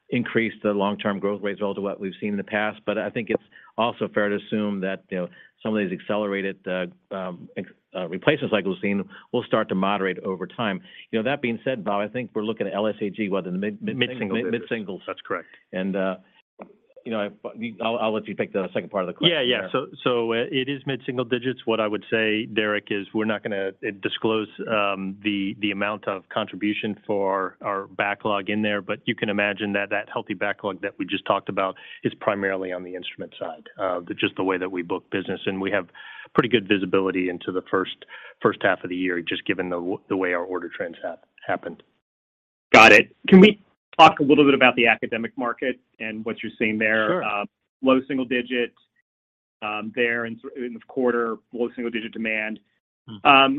increased the long-term growth rates relative to what we've seen in the past. I think it's also fair to assume that, you know, some of these accelerated replacement cycles we've seen will start to moderate over time. You know, that being said, Bob, I think we're looking at LSAG, what is it? Mid Mid single digits mid singles. That's correct. You know, I'll let you take the second part of the question there. Yeah, yeah. It is mid-single digits. What I would say, Derik, is we're not gonna disclose the amount of contribution for our backlog in there, but you can imagine that that healthy backlog that we just talked about is primarily on the instrument side. Just the way that we book business, and we have pretty good visibility into the first half of the year, just given the way our order trends happened. Got it. Can we talk a little bit about the academic market and what you're seeing there? Sure. low single digits, there in the quarter, low single digit demand. Mm-hmm.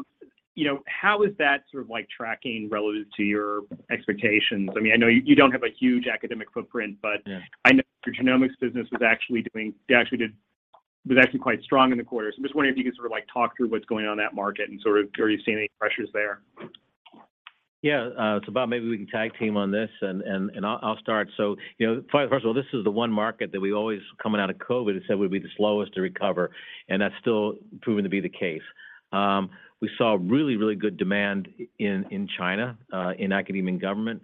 you know, how is that sort of like tracking relative to your expectations? I mean, I know you don't have a huge academic footprint, but Yeah I know your genomics business was actually quite strong in the quarter. I'm just wondering if you could sort of like talk through what's going on in that market and sort of are you seeing any pressures there? Yeah. Bob, maybe we can tag team on this, and I'll start. You know, first of all, this is the one market that we always, coming out of COVID, had said would be the slowest to recover, and that's still proving to be the case. We saw really good demand in China, in Academic and Government,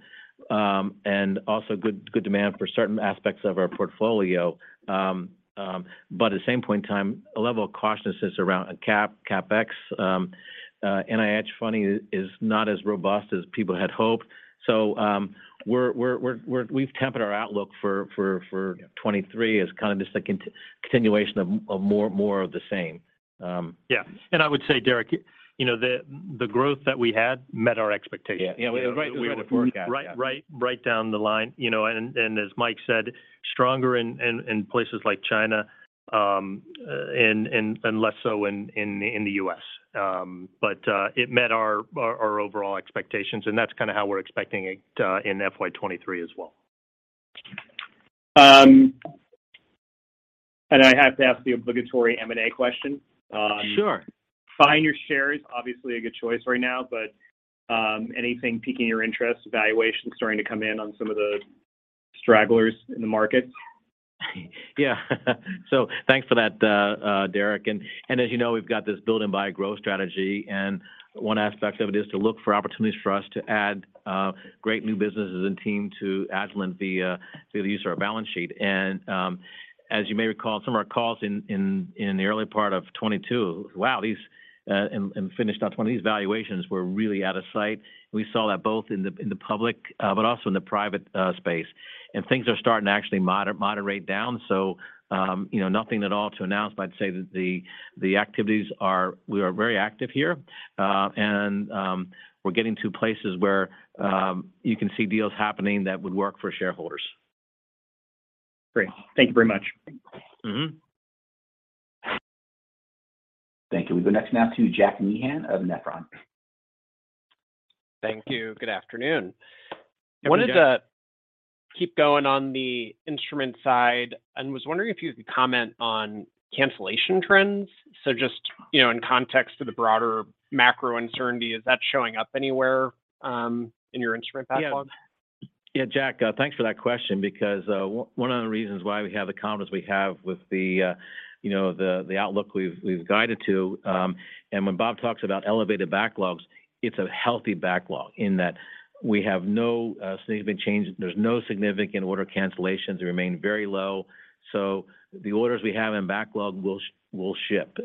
and also good demand for certain aspects of our portfolio. At the same point in time, a level of cautiousness around CapEx, NIH funding is not as robust as people had hoped. We've tempered our outlook for 2023 as kind of just a continuation of more of the same. Yeah. I would say, Derik, you know, the growth that we had met our expectations. Yeah. Yeah. It was right where we forecast. Yeah. Right, right down the line. You know, and as Mike said, stronger in places like China, and less so in the U.S. It met our overall expectations, and that's kind of how we're expecting it in FY 2023 as well. I have to ask the obligatory M&A question. Sure buying your shares, obviously a good choice right now. Anything piquing your interest, valuations starting to come in on some of the stragglers in the market? Thanks for that, Derek. As you know, we've got this build and buy growth strategy, and one aspect of it is to look for opportunities for us to add great new businesses and team to Agilent via the use of our balance sheet. As you may recall, some of our calls in the early part of 2022, wow, these, and finished on 2020, these valuations were really out of sight. We saw that both in the public, but also in the private space. Things are starting to actually moderate down. You know, nothing at all to announce, but I'd say that the activities are... we are very active here. And we're getting to places where you can see deals happening that would work for shareholders. Great. Thank you very much. Mm-hmm. Thank you. We go next now to Jack Meehan of Nephron Research. Thank you. Good afternoon. Good afternoon. Wanted to keep going on the instrument side and was wondering if you could comment on cancellation trends. Just, you know, in context to the broader macro uncertainty, is that showing up anywhere in your instrument backlog? Yeah. Jack, thanks for that question because one of the reasons why we have the confidence we have with the, you know, the outlook we've guided to, and when Bob talks about elevated backlogs, it's a healthy backlog in that we have no significant change. There's no significant order cancellations. They remain very low. The orders we have in backlog will ship.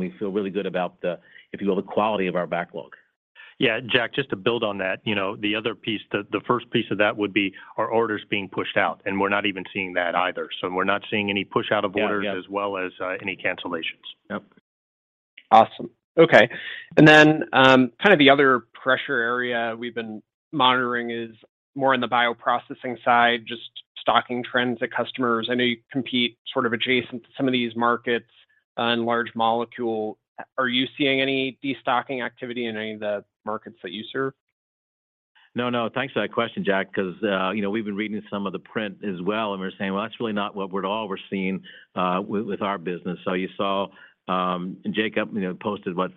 We feel really good about the, if you will, the quality of our backlog. Yeah, Jack, just to build on that, you know, the other piece, the first piece of that would be are orders being pushed out, and we're not even seeing that either. We're not seeing any push out of orders Yeah. Yeah. as well as, any cancellations. Yep. Awesome. Okay. Kind of the other pressure area we've been monitoring is more in the bioprocessing side, just stocking trends at customers. I know you compete sort of adjacent to some of these markets on large molecule. Are you seeing any destocking activity in any of the markets that you serve? No, no. Thanks for that question, Jack, 'cause, you know, we've been reading some of the print as well, and we're saying, "Well, that's really not what at all we're seeing, with our business." You saw, and Jacob, you know, posted what?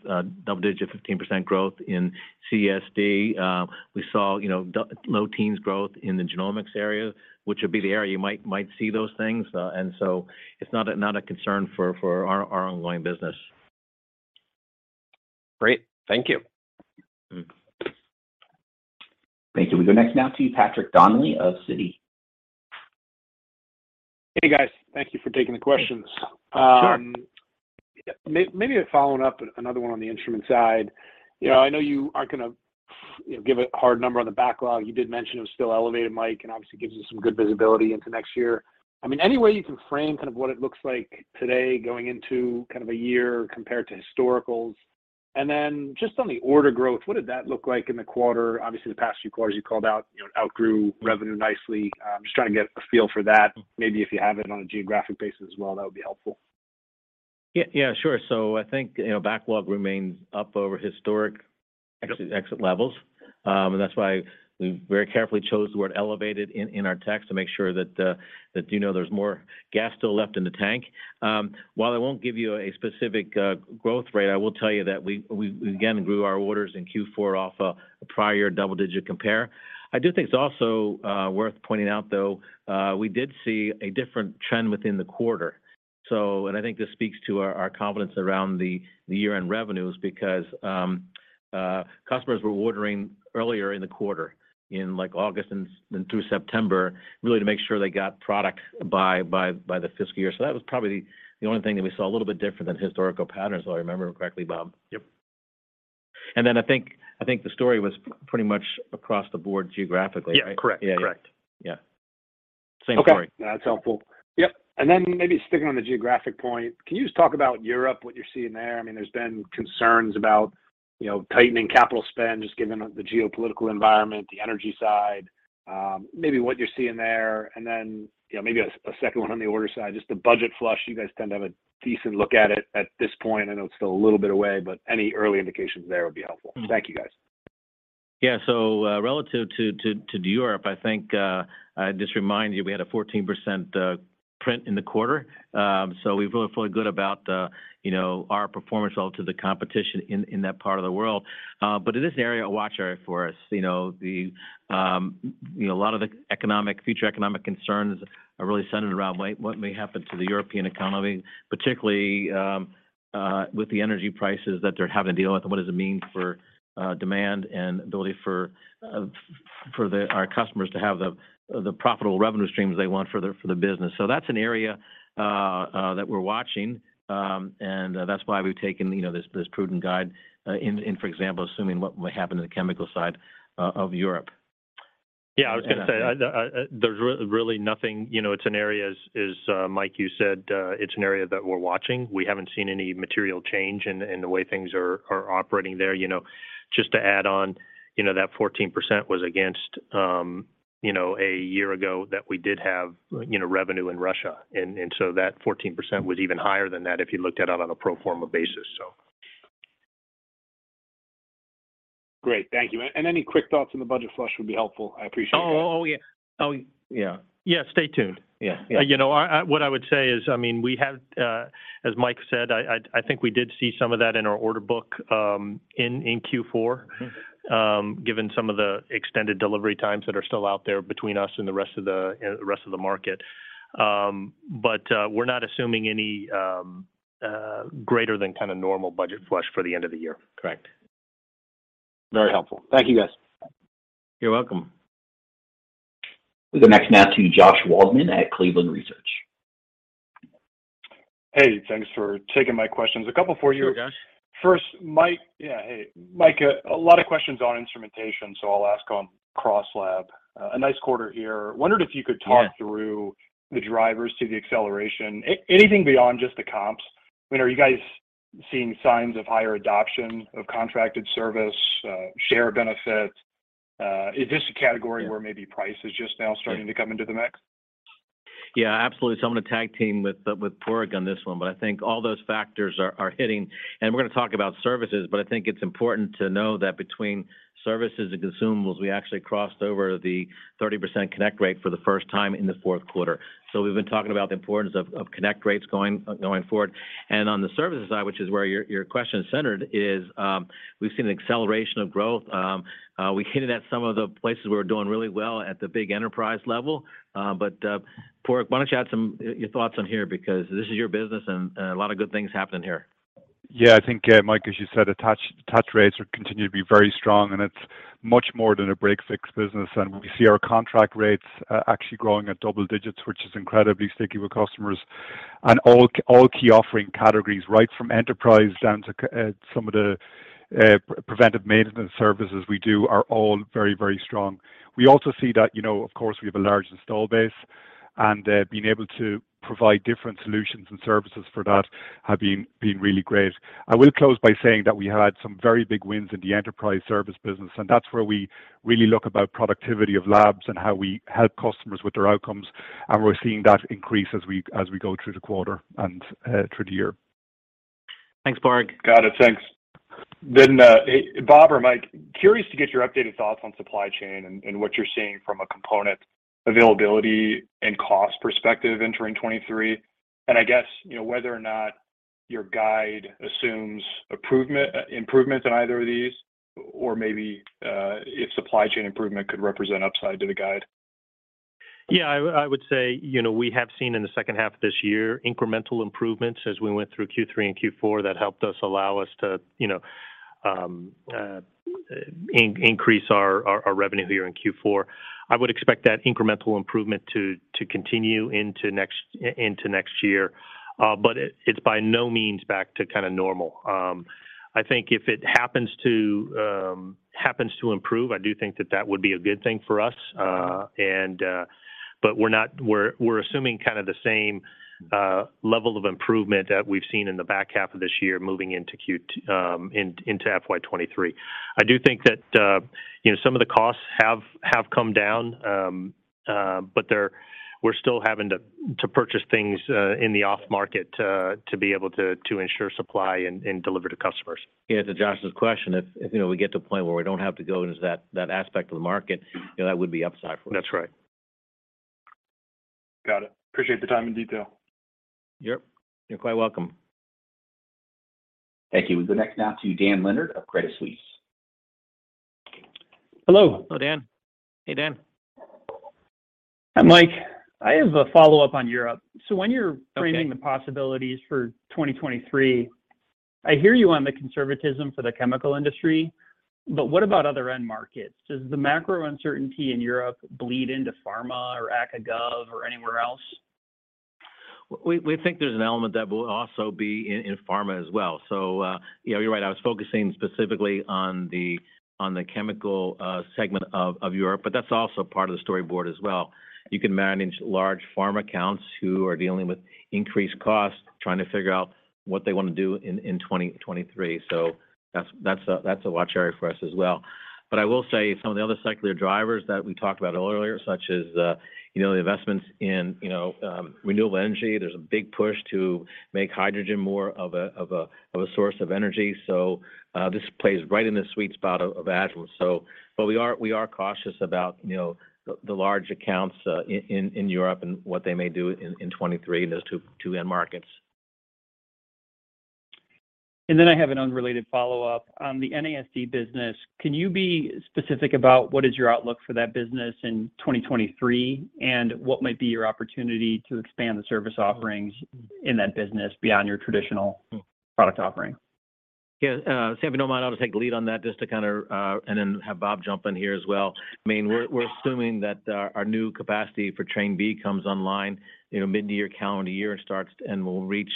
Double digit, 15% growth in CSD. We saw, you know, low teens growth in the genomics area, which would be the area you might see those things. It's not a concern for our ongoing business. Great. Thank you. Mm. Thank you. We go next now to Patrick Donnelly of Citi. Hey, guys. Thank you for taking the questions. Sure. Maybe following up another one on the instrument side, you know, I know you aren't gonna, you know, give a hard number on the backlog. You did mention it was still elevated, Mike, and obviously gives you some good visibility into next year. I mean, any way you can frame kind of what it looks like today going into kind of a year compared to historicals? Just on the order growth, what did that look like in the quarter? The past few quarters you called out, you know, outgrew revenue nicely. Just trying to get a feel for that. Maybe if you have it on a geographic basis as well, that would be helpful. Yeah, sure. I think, you know, backlog remains up over historic exit levels. That's why we very carefully chose the word elevated in our text to make sure that, you know, there's more gas still left in the tank. While I won't give you a specific growth rate, I will tell you that we again grew our orders in Q4 off a prior double-digit compare. I do think it's also worth pointing out, though, we did see a different trend within the quarter. I think this speaks to our confidence around the year-end revenues because customers were ordering earlier in the quarter in like August and through September, really to make sure they got product by the fiscal year. That was probably the only thing that we saw a little bit different than historical patterns, if I remember correctly, Bob. Yep. I think the story was pretty much across the board geographically, right? Yeah. Correct. Yeah. Correct. Yeah. Same story. Okay. That's helpful. Yep, and then maybe sticking on the geographic point, can you just talk about Europe, what you're seeing there? I mean, there's been concerns about, you know, tightening capital spend just given the geopolitical environment, the energy side, maybe what you're seeing there. Then, you know, maybe a second one on the order side, just the budget flush. You guys tend to have a decent look at it at this point. I know it's still a little bit away, but any early indications there would be helpful. Mm. Thank you, guys. Yeah. relative to Europe, I think, I'd just remind you, we had a 14% print in the quarter. We feel fully good about the, you know, our performance relative to the competition in that part of the world. It is an area, a watch area for us. You know, the, you know, a lot of the economic, future economic concerns are really centered around what may happen to the European economy, particularly with the energy prices that they're having to deal with and what does it mean for demand and ability for our customers to have the profitable revenue streams they want for the business. That's an area that we're watching. That's why we've taken, you know, this prudent guide, in, for example, assuming what will happen to the chemical side of Europe. Yeah, I was gonna say, I... there's really nothing. You know, it's an area, as Mike, you said, it's an area that we're watching. We haven't seen any material change in the way things are operating there. You know, just to add on, you know, that 14% was against, you know, a year ago that we did have, you know, revenue in Russia. That 14% was even higher than that if you looked at it on a pro forma basis. Great. Thank you. Any quick thoughts on the budget flush would be helpful. I appreciate that. Oh, yeah. Oh, yeah. Yeah, stay tuned. Yeah. Yeah. you know, What I would say is, I mean, we have, as Mike said, I think we did see some of that in our order book, in Q4. Mm-hmm Given some of the extended delivery times that are still out there between us and the rest of the market. We're not assuming any greater than kind of normal budget flush for the end of the year. Correct. Very helpful. Thank you, guys. You're welcome. We'll go next now to Josh Waldman at Cleveland Research. Hey, thanks for taking my questions. A couple for you. Sure, Josh. Mike. Yeah, hey. Mike, a lot of questions on instrumentation, so I'll ask on CrossLab. A nice quarter here. Wondered if you could. Yeah... through the drivers to the acceleration. Anything beyond just the comps. I mean, are you guys seeing signs of higher adoption of contracted service, share benefits? Is this a category where maybe price is just now starting to come into the mix? Yeah, absolutely. I'm gonna tag team with Padraig on this one. I think all those factors are hitting, and we're gonna talk about services, but I think it's important to know that between services and consumables, we actually crossed over the 30% connect rate for the first time in the fourth quarter. We've been talking about the importance of connect rates going forward. On the services side, which is where your question is centered, we've seen an acceleration of growth. We hinted at some of the places we're doing really well at the big enterprise level. Padraig, why don't you add your thoughts on here because this is your business and a lot of good things happening here. Yeah. I think, Mike, as you said, attach rates are continue to be very strong. It's much more than a break fix business. We see our contract rates actually growing at double digits, which is incredibly sticky with customers. All key offering categories, right from enterprise down to some of the preventive maintenance services we do are all very, very strong. We also see that, you know, of course, we have a large install base, being able to provide different solutions and services for that have been really great. I will close by saying that we have had some very big wins in the enterprise service business. That's where we really look about productivity of labs and how we help customers with their outcomes. We're seeing that increase as we go through the quarter and through the year. Thanks, Padraig. Got it. Thanks. Hey, Bob or Mike, curious to get your updated thoughts on supply chain and what you're seeing from a component availability and cost perspective entering 2023. I guess, you know, whether or not your guide assumes improvement in either of these or maybe, if supply chain improvement could represent upside to the guide. Yeah. I would say, you know, we have seen in the second half of this year incremental improvements as we went through Q3 and Q4 that helped us allow us to, you know, increase our revenue here in Q4. I would expect that incremental improvement to continue into next year. but it's by no means back to kind of normal. I think if it happens to improve, I do think that that would be a good thing for us. We're assuming kind of the same level of improvement that we've seen in the back half of this year moving into FY 2023. I do think that, you know, some of the costs have come down, but we're still having to purchase things in the off market to be able to ensure supply and deliver to customers. Yeah. To Josh's question, if, you know, we get to a point where we don't have to go into that aspect of the market, you know, that would be upside for us. That's right. Got it. Appreciate the time and detail. Yep. You're quite welcome. Thank you. We'll go next now to Dan Leonard of Credit Suisse. Hello. Hello, Dan. Hey, Dan. Mike, I have a follow-up on Europe. Okay framing the possibilities for 2023, I hear you on the conservatism for the chemical industry. What about other end markets? Does the macro uncertainty in Europe bleed into pharma or Academic and Government or anywhere else? We think there's an element that will also be in pharma as well. You know, you're right. I was focusing specifically on the chemical segment of Europe, but that's also part of the storyboard as well. You can manage large pharma accounts who are dealing with increased costs, trying to figure out what they want to do in 2023. That's a watch area for us as well. I will say some of the other secular drivers that we talked about earlier, such as, you know, the investments in, you know, renewable energy. There's a big push to make hydrogen more of a source of energy. This plays right in the sweet spot of Agilent. But we are cautious about, you know, the large accounts, in Europe and what they may do in 2023 in those two end markets. I have an unrelated follow-up. On the NASD business, can you be specific about what is your outlook for that business in 2023, and what might be your opportunity to expand the service offerings in that business beyond your traditional product offering? Yeah. Sam, if you don't mind, I'll just take the lead on that just to kind of, and then have Bob jump in here as well. I mean, we're assuming that our new capacity for Train B comes online, you know, midyear calendar year starts and will reach,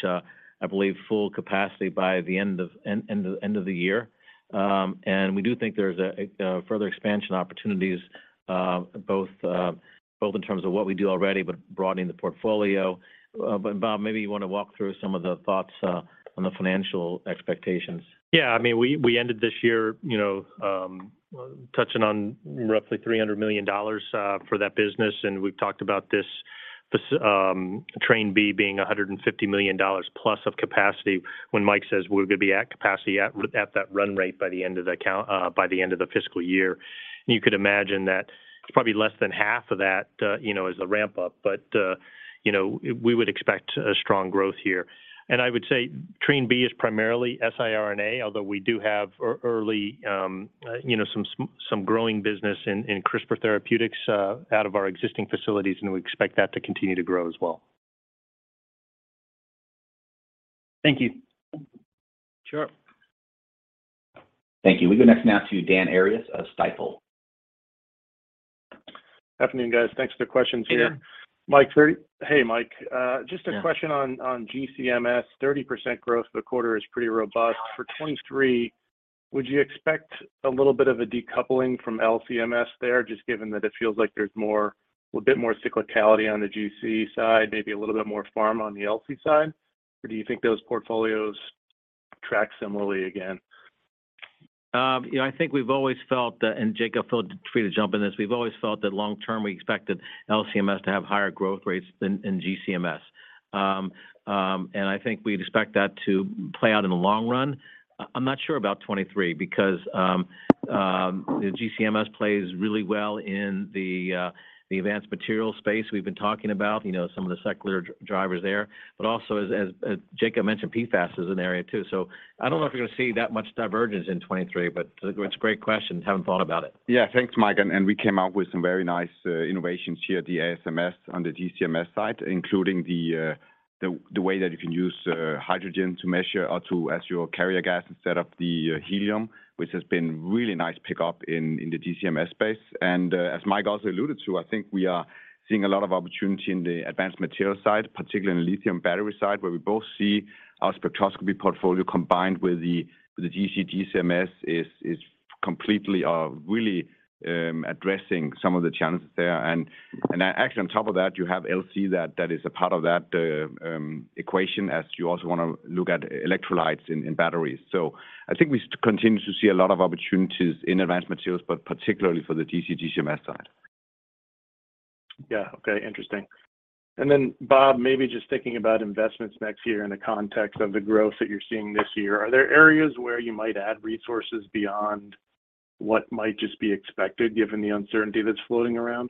I believe full capacity by the end of the year. We do think there's a further expansion opportunities, both in terms of what we do already, but broadening the portfolio. Bob, maybe you wanna walk through some of the thoughts on the financial expectations. Yeah. I mean, we ended this year, you know, touching on roughly $300 million for that business, and we've talked about this This Train B being $150 million plus of capacity when Mike says we're gonna be at capacity at that run rate by the end of the fiscal year. You could imagine that it's probably less than half of that, you know, as a ramp-up. You know, we would expect a strong growth here. I would say Train B is primarily siRNA, although we do have early, you know, some growing business in CRISPR therapeutics out of our existing facilities, and we expect that to continue to grow as well. Thank you. Sure. Thank you. We go next now to Daniel Arias of Stifel. Afternoon, guys. Thanks. Two questions here. Afternoon. Mike, Hey, Mike. Yeah... just a question on GC-MS. 30% growth the quarter is pretty robust. For 2023, would you expect a little bit of a decoupling from LC-MS there, just given that it feels like there's more, a bit more cyclicality on the GC side, maybe a little bit more farm on the LC side? Do you think those portfolios track similarly again? You know, I think we've always felt that, and Jacob, feel free to jump in this, we've always felt that long term we expected LC-MS to have higher growth rates than GC-MS. I think we'd expect that to play out in the long run. I'm not sure about 2023 because the GC-MS plays really well in the advanced materials space we've been talking about. You know, some of the secular drivers there. Also as Jacob mentioned, PFAS is an area too. I don't know if you're gonna see that much divergence in 2023, but it's a great question. Haven't thought about it. Yeah. Thanks, Mike. We came out with some very nice innovations here at the ASMS on the GC-MS side, including the way that you can use hydrogen to measure or to as your carrier gas instead of the helium, which has been really nice pickup in the GC-MS space. As Mike also alluded to, I think we are seeing a lot of opportunity in the advanced material side, particularly in the lithium battery side, where we both see our spectroscopy portfolio combined with the GC-MS is completely really addressing some of the challenges there. Actually on top of that, you have LC that is a part of that equation as you also wanna look at electrolytes in batteries. I think we continue to see a lot of opportunities in advanced materials, but particularly for the GC-MS side. Yeah. Okay. Interesting. Then Bob, maybe just thinking about investments next year in the context of the growth that you're seeing this year. Are there areas where you might add resources beyond what might just be expected given the uncertainty that's floating around?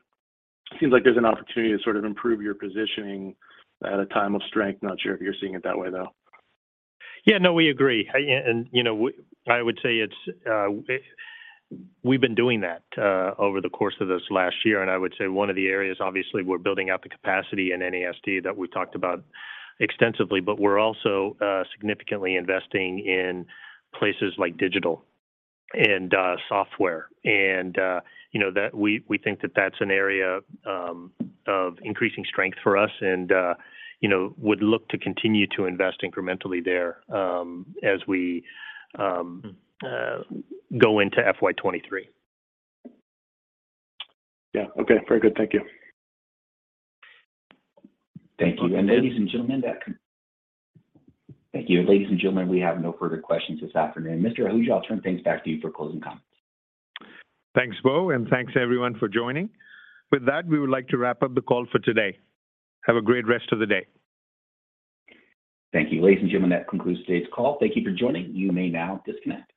Seems like there's an opportunity to sort of improve your positioning at a time of strength. Not sure if you're seeing it that way, though. Yeah, no, we agree. You know, I would say it's, we've been doing that over the course of this last year. I would say one of the areas, obviously, we're building out the capacity in NASD that we've talked about extensively, but we're also significantly investing in places like digital and software. You know, that we think that that's an area of increasing strength for us and, you know, would look to continue to invest incrementally there as we go into FY 23. Yeah. Okay. Very good. Thank you. Thank you. Ladies and gentlemen, we have no further questions this afternoon. Mr. Ahuja, I'll turn things back to you for closing comments. Thanks, Beau, thanks everyone for joining. With that, we would like to wrap up the call for today. Have a great rest of the day. Thank you. Ladies and gentlemen, that concludes today's call. Thank you for joining. You may now disconnect.